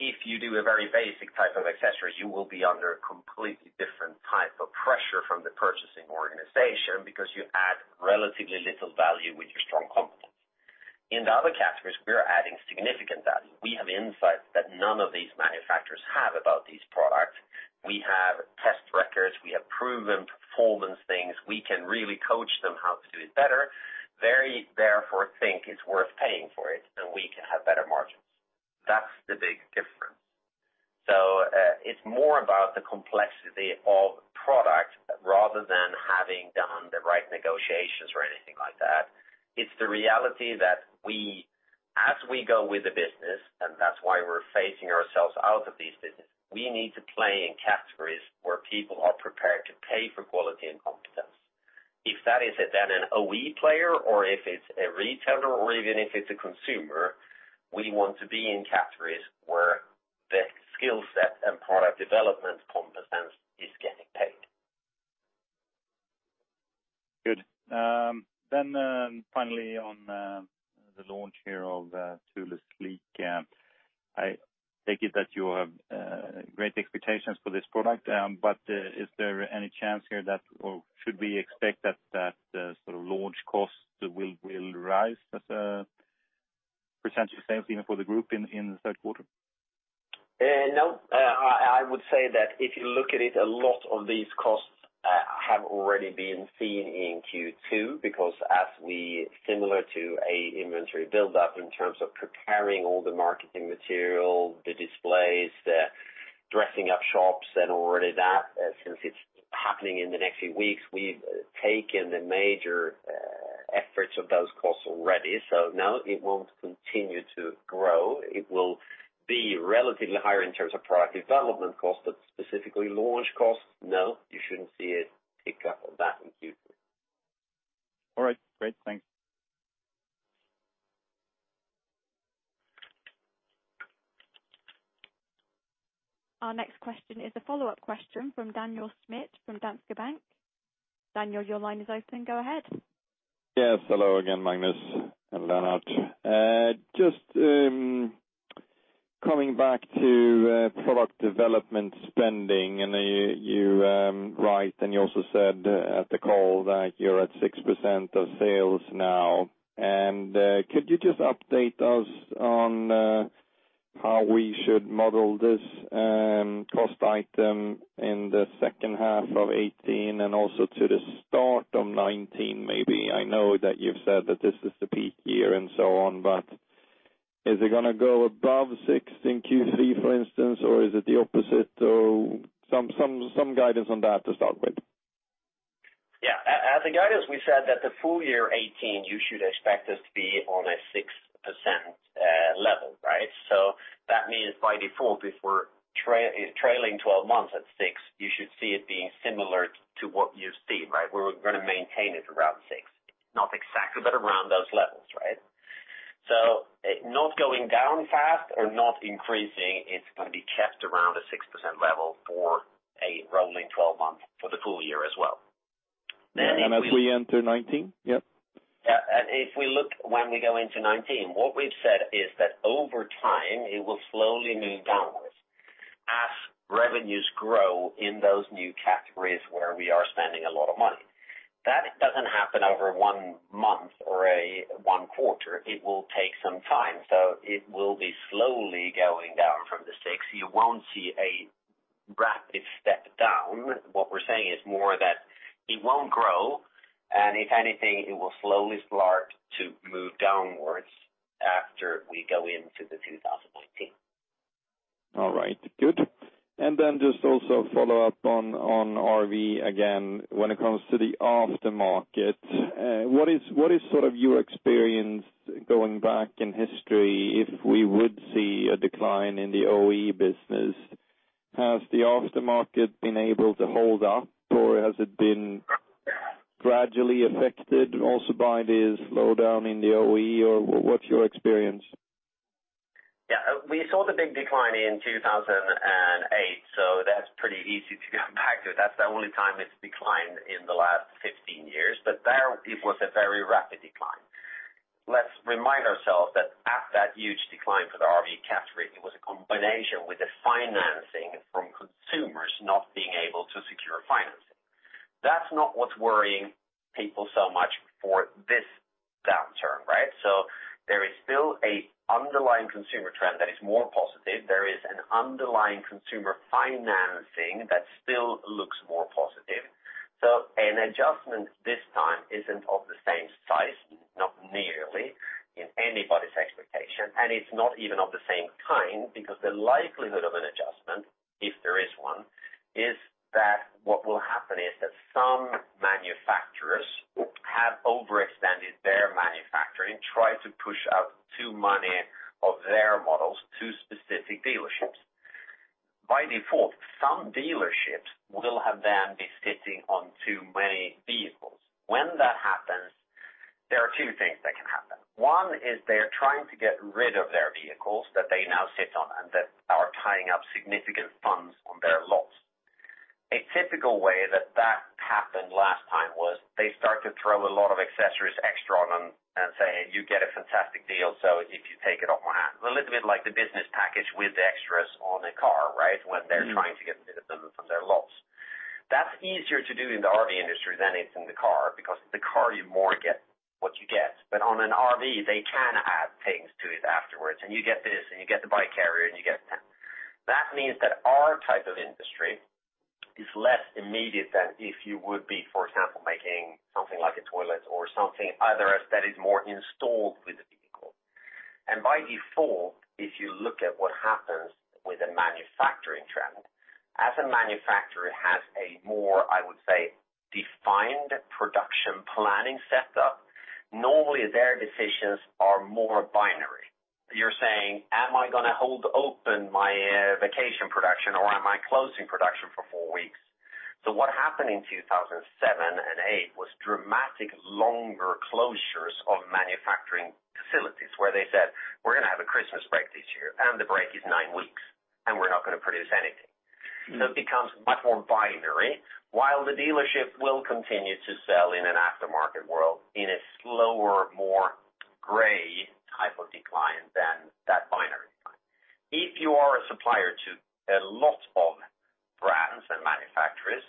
If you do a very basic type of accessories, you will be under a completely different type of pressure from the purchasing organization because you add relatively little value with your strong competence. In the other categories, we are adding significant value. We have insights that none of these manufacturers have about these products. We have test records. We have proven performance things. We can really coach them how to do it better, they therefore think it's worth paying for it, and we can have better margins. That's the big difference. It's more about the complexity of product rather than having done the right negotiations or anything like that. It's the reality that as we go with the business, and that's why we're phasing ourselves out of these business, we need to play in categories where people are prepared to pay for quality and competence. If that is then an OE player or if it's a retailer or even if it's a consumer, we want to be in categories where the skill set and product development competence is getting paid. Good. Finally on the launch here of Thule Sleek, I take it that you have great expectations for this product, is there any chance here that or should we expect that sort of launch costs will rise as a percentage of sales even for the group in the third quarter? No. I would say that if you look at it, a lot of these costs have already been seen in Q2 because as we similar to a inventory buildup in terms of preparing all the marketing material, the displays, the dressing up shops and already that, since it's happening in the next few weeks, we've taken the major efforts of those costs already. No, it won't continue to grow. It will be relatively higher in terms of product development costs, but specifically launch costs, no, you shouldn't see it pick up on that in Q3. All right. Great. Thanks. Our next question is a follow-up question from Daniel Schmidt from Danske Bank. Daniel, your line is open. Go ahead. Yes. Hello again, Magnus and Lennart. Just coming back to product development spending, you write and you also said at the call that you're at 6% of sales now. Could you just update us on how we should model this cost item in the second half of 2018 and also to the start of 2019, maybe? I know that you've said that this is the peak year and so on, but is it going to go above 6% in Q3, for instance, or is it the opposite? Some guidance on that to start with. Yeah. As a guidance, we said that the full year 2018, you should expect us to be on a 6% level, right? That means by default, if we're trailing 12 months at 6, you should see it being similar to what you see, right? We're going to maintain it around 6. Not exactly, but around those levels. Not going down fast or not increasing, it's going to be kept around a 6% level for a rolling 12 month for the full year as well. As we enter 2019? Yep. Yeah. If we look when we go into 2019, what we've said is that over time, it will slowly move downwards as revenues grow in those new categories where we are spending a lot of money. That doesn't happen over one month or one quarter. It will take some time. It will be slowly going down from the 6. You won't see a rapid step down. What we're saying is more that it won't grow, and if anything, it will slowly start to move downwards after we go into the 2019. All right. Good. Just also follow up on RV again, when it comes to the aftermarket, what is sort of your experience going back in history, if we would see a decline in the OE business? Has the aftermarket been able to hold up or has it been gradually affected also by this slowdown in the OE or what's your experience? Yeah. We saw the big decline in 2008, that's pretty easy to go back to. That's the only time it's declined in the last 15 years. There it was a very rapid decline. Let's remind ourselves that at that huge decline for the RV category, it was a combination with the financing from consumers not being able to secure financing. That's not what's worrying people so much for this downturn, right? There is still an underlying consumer trend that is more positive. There is an underlying consumer financing that still looks more positive. An adjustment this time isn't of the same size, not nearly in anybody's expectation, and it's not even of the same kind because the likelihood of an adjustment, if there is one, is that what will happen is that some manufacturers have overextended their manufacturing, try to push out too many of their models to specific dealerships. By default, some dealerships will have them be sitting on too many vehicles. When that happens, there are two things that can happen. One is they're trying to get rid of their vehicles that they now sit on and that are tying up significant funds on their lots. A typical way that that happened last time was they start to throw a lot of accessories extra on them and say, "You get a fantastic deal, if you take it off my hands." A little bit like the business package with the extras on a car, right? When they're trying to get rid of them from their lots. That's easier to do in the RV industry than it's in the car because the car you more get what you get. On an RV, they can add things to it afterwards, and you get this and you get the bike carrier and you get that. That means that our type of industry is less immediate than if you would be, for example, making something like a toilet or something either that is more installed with the vehicle. By default, if you look at what happens with a manufacturing trend, as a manufacturer has a more, I would say, defined production planning set up. Normally, their decisions are more binary. You're saying, "Am I going to hold open my vacation production or am I closing production for four weeks?" What happened in 2007 and 2008 was dramatic longer closures of manufacturing facilities where they said, "We're going to have a Christmas break this year, and the break is nine weeks, and we're not going to produce anything. It becomes much more binary while the dealership will continue to sell in an aftermarket world in a slower, more gray type of decline than that binary decline. If you are a supplier to a lot of brands and manufacturers,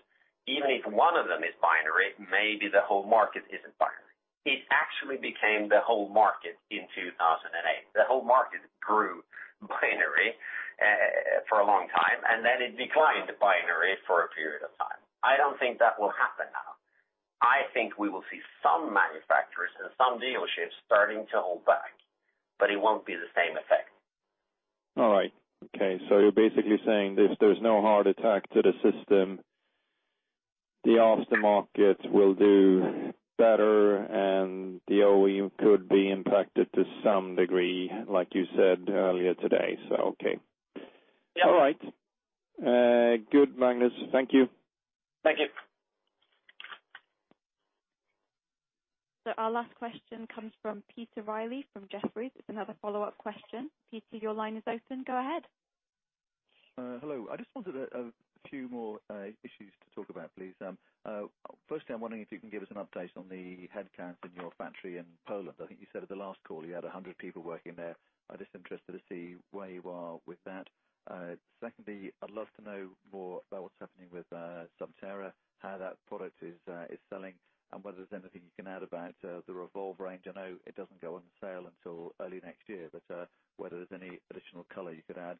even if one of them is binary, maybe the whole market isn't binary. It actually became the whole market in 2008. The whole market grew binary for a long time, and then it declined binary for a period of time. I don't think that will happen now. I think we will see some manufacturers and some dealerships starting to hold back, but it won't be the same effect. All right. Okay. You're basically saying if there's no heart attack to the system, the aftermarket will do better and the OE could be impacted to some degree, like you said earlier today. Okay. Yeah. All right. Good, Magnus. Thank you. Thank you. Our last question comes from Peter Riley from Jefferies. It is another follow-up question. Peter, your line is open. Go ahead. Hello. I just wanted a few more issues to talk about, please. Firstly, I'm wondering if you can give us an update on the headcount in your factory in Poland. I think you said at the last call you had 100 people working there. I'm just interested to see where you are with that. Secondly, I'd love to know more about what's happening with Thule Subterra, how that product is selling, and whether there's anything you can add about the Thule Revolve range. I know it doesn't go on sale until early next year, but whether there's any additional color you could add.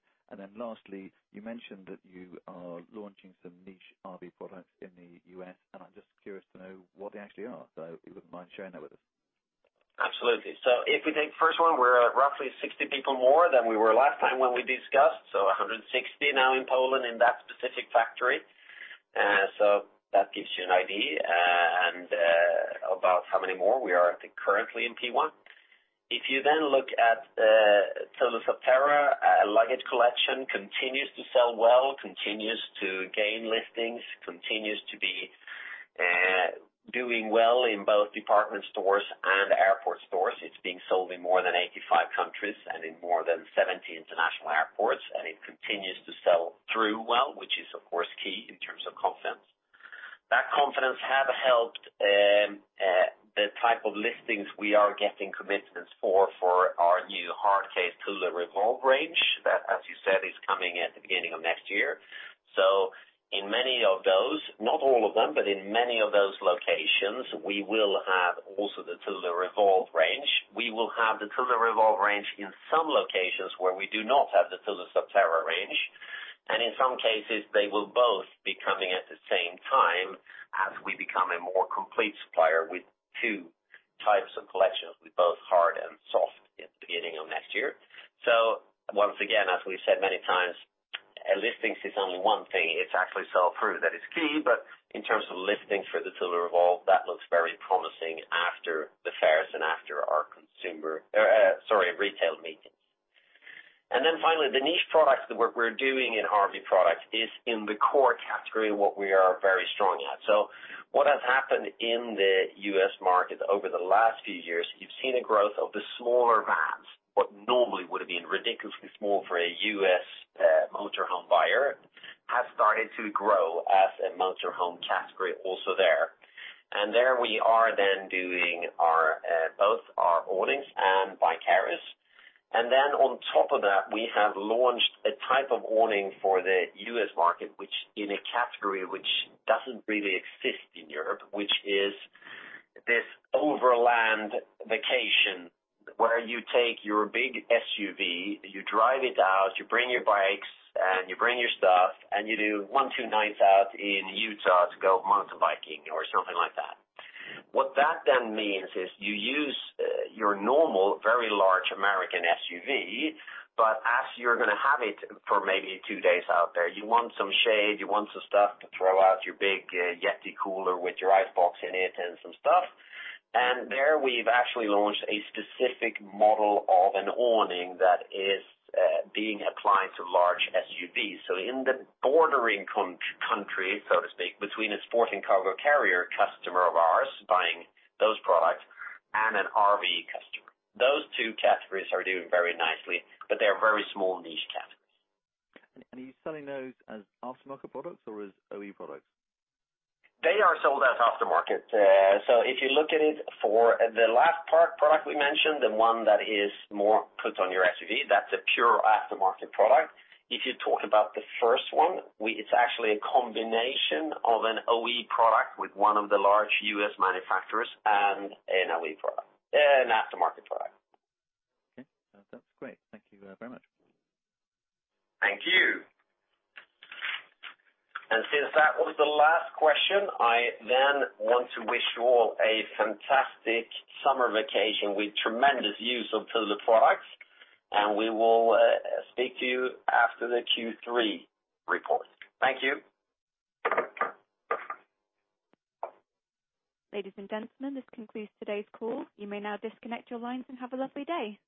Lastly, you mentioned that you are launching some niche RV Products in the U.S., and I'm just curious to know what they actually are, so if you wouldn't mind sharing that with us. Absolutely. If we take the first one, we're at roughly 60 people more than we were last time when we discussed. 160 now in Poland in that specific factory. That gives you an idea about how many more we are currently in Q1. Thule Subterra luggage collection continues to sell well, continues to gain listings, continues to be doing well in both department stores and airport stores. It's being sold in more than 85 countries and in more than 70 international airports, and it continues to sell through well, which is of course key in terms of confidence. That confidence has helped the type of listings we are getting commitments for our new hard case Thule Revolve range that, as you said, is coming at the beginning of next year. In many of those, not all of them, but in many of those locations, we will have also the Thule Revolve range. We will have the Thule Revolve range in some locations where we do not have the Thule Subterra range, and in some cases, they will both be coming at the same time as we become a more complete supplier with two types of collections with both hard and soft at the beginning of next year. Once again, as we've said many times, listings is only one thing. It's actually sell-through that is key, but in terms of listings for the Thule Revolve, that looks very promising after the fairs and after our consumer, sorry, retail meetings. Finally, the niche products, the work we're doing in RV Products is in the core category of what we are very strong at. What has happened in the U.S. market over the last few years, you've seen a growth of the smaller vans. What normally would have been ridiculously small for a U.S. motor home buyer has started to grow as a motor home category also there. There we are then doing both our awnings and bike carriers. Then on top of that, we have launched a type of awning for the U.S. market, which in a category which doesn't really exist in Europe, which is this overland vacation where you take your big SUV, you drive it out, you bring your bikes and you bring your stuff, and you do one, two nights out in Utah to go mountain biking or something like that. What that then means is you use your normal, very large American SUV, but as you're going to have it for maybe two days out there, you want some shade, you want some stuff to throw out your big YETI cooler with your ice box in it and some stuff. There we've actually launched a specific model of an awning that is being applied to large SUVs. In the bordering country, so to speak, between a Sport&Cargo Carrier customer of ours buying those products and an RV customer. Those two categories are doing very nicely, but they are very small niche categories. Are you selling those as aftermarket products or as OE products? They are sold as aftermarket. If you look at it for the last product we mentioned, the one that is more put on your SUV, that's a pure aftermarket product. If you're talking about the first one, it's actually a combination of an OE product with one of the large U.S. manufacturers and an OE product, an aftermarket product. Okay. That's great. Thank you very much. Thank you. Since that was the last question, I want to wish you all a fantastic summer vacation with tremendous use of Thule products, we will speak to you after the Q3 report. Thank you. Ladies and gentlemen, this concludes today's call. You may now disconnect your lines and have a lovely day.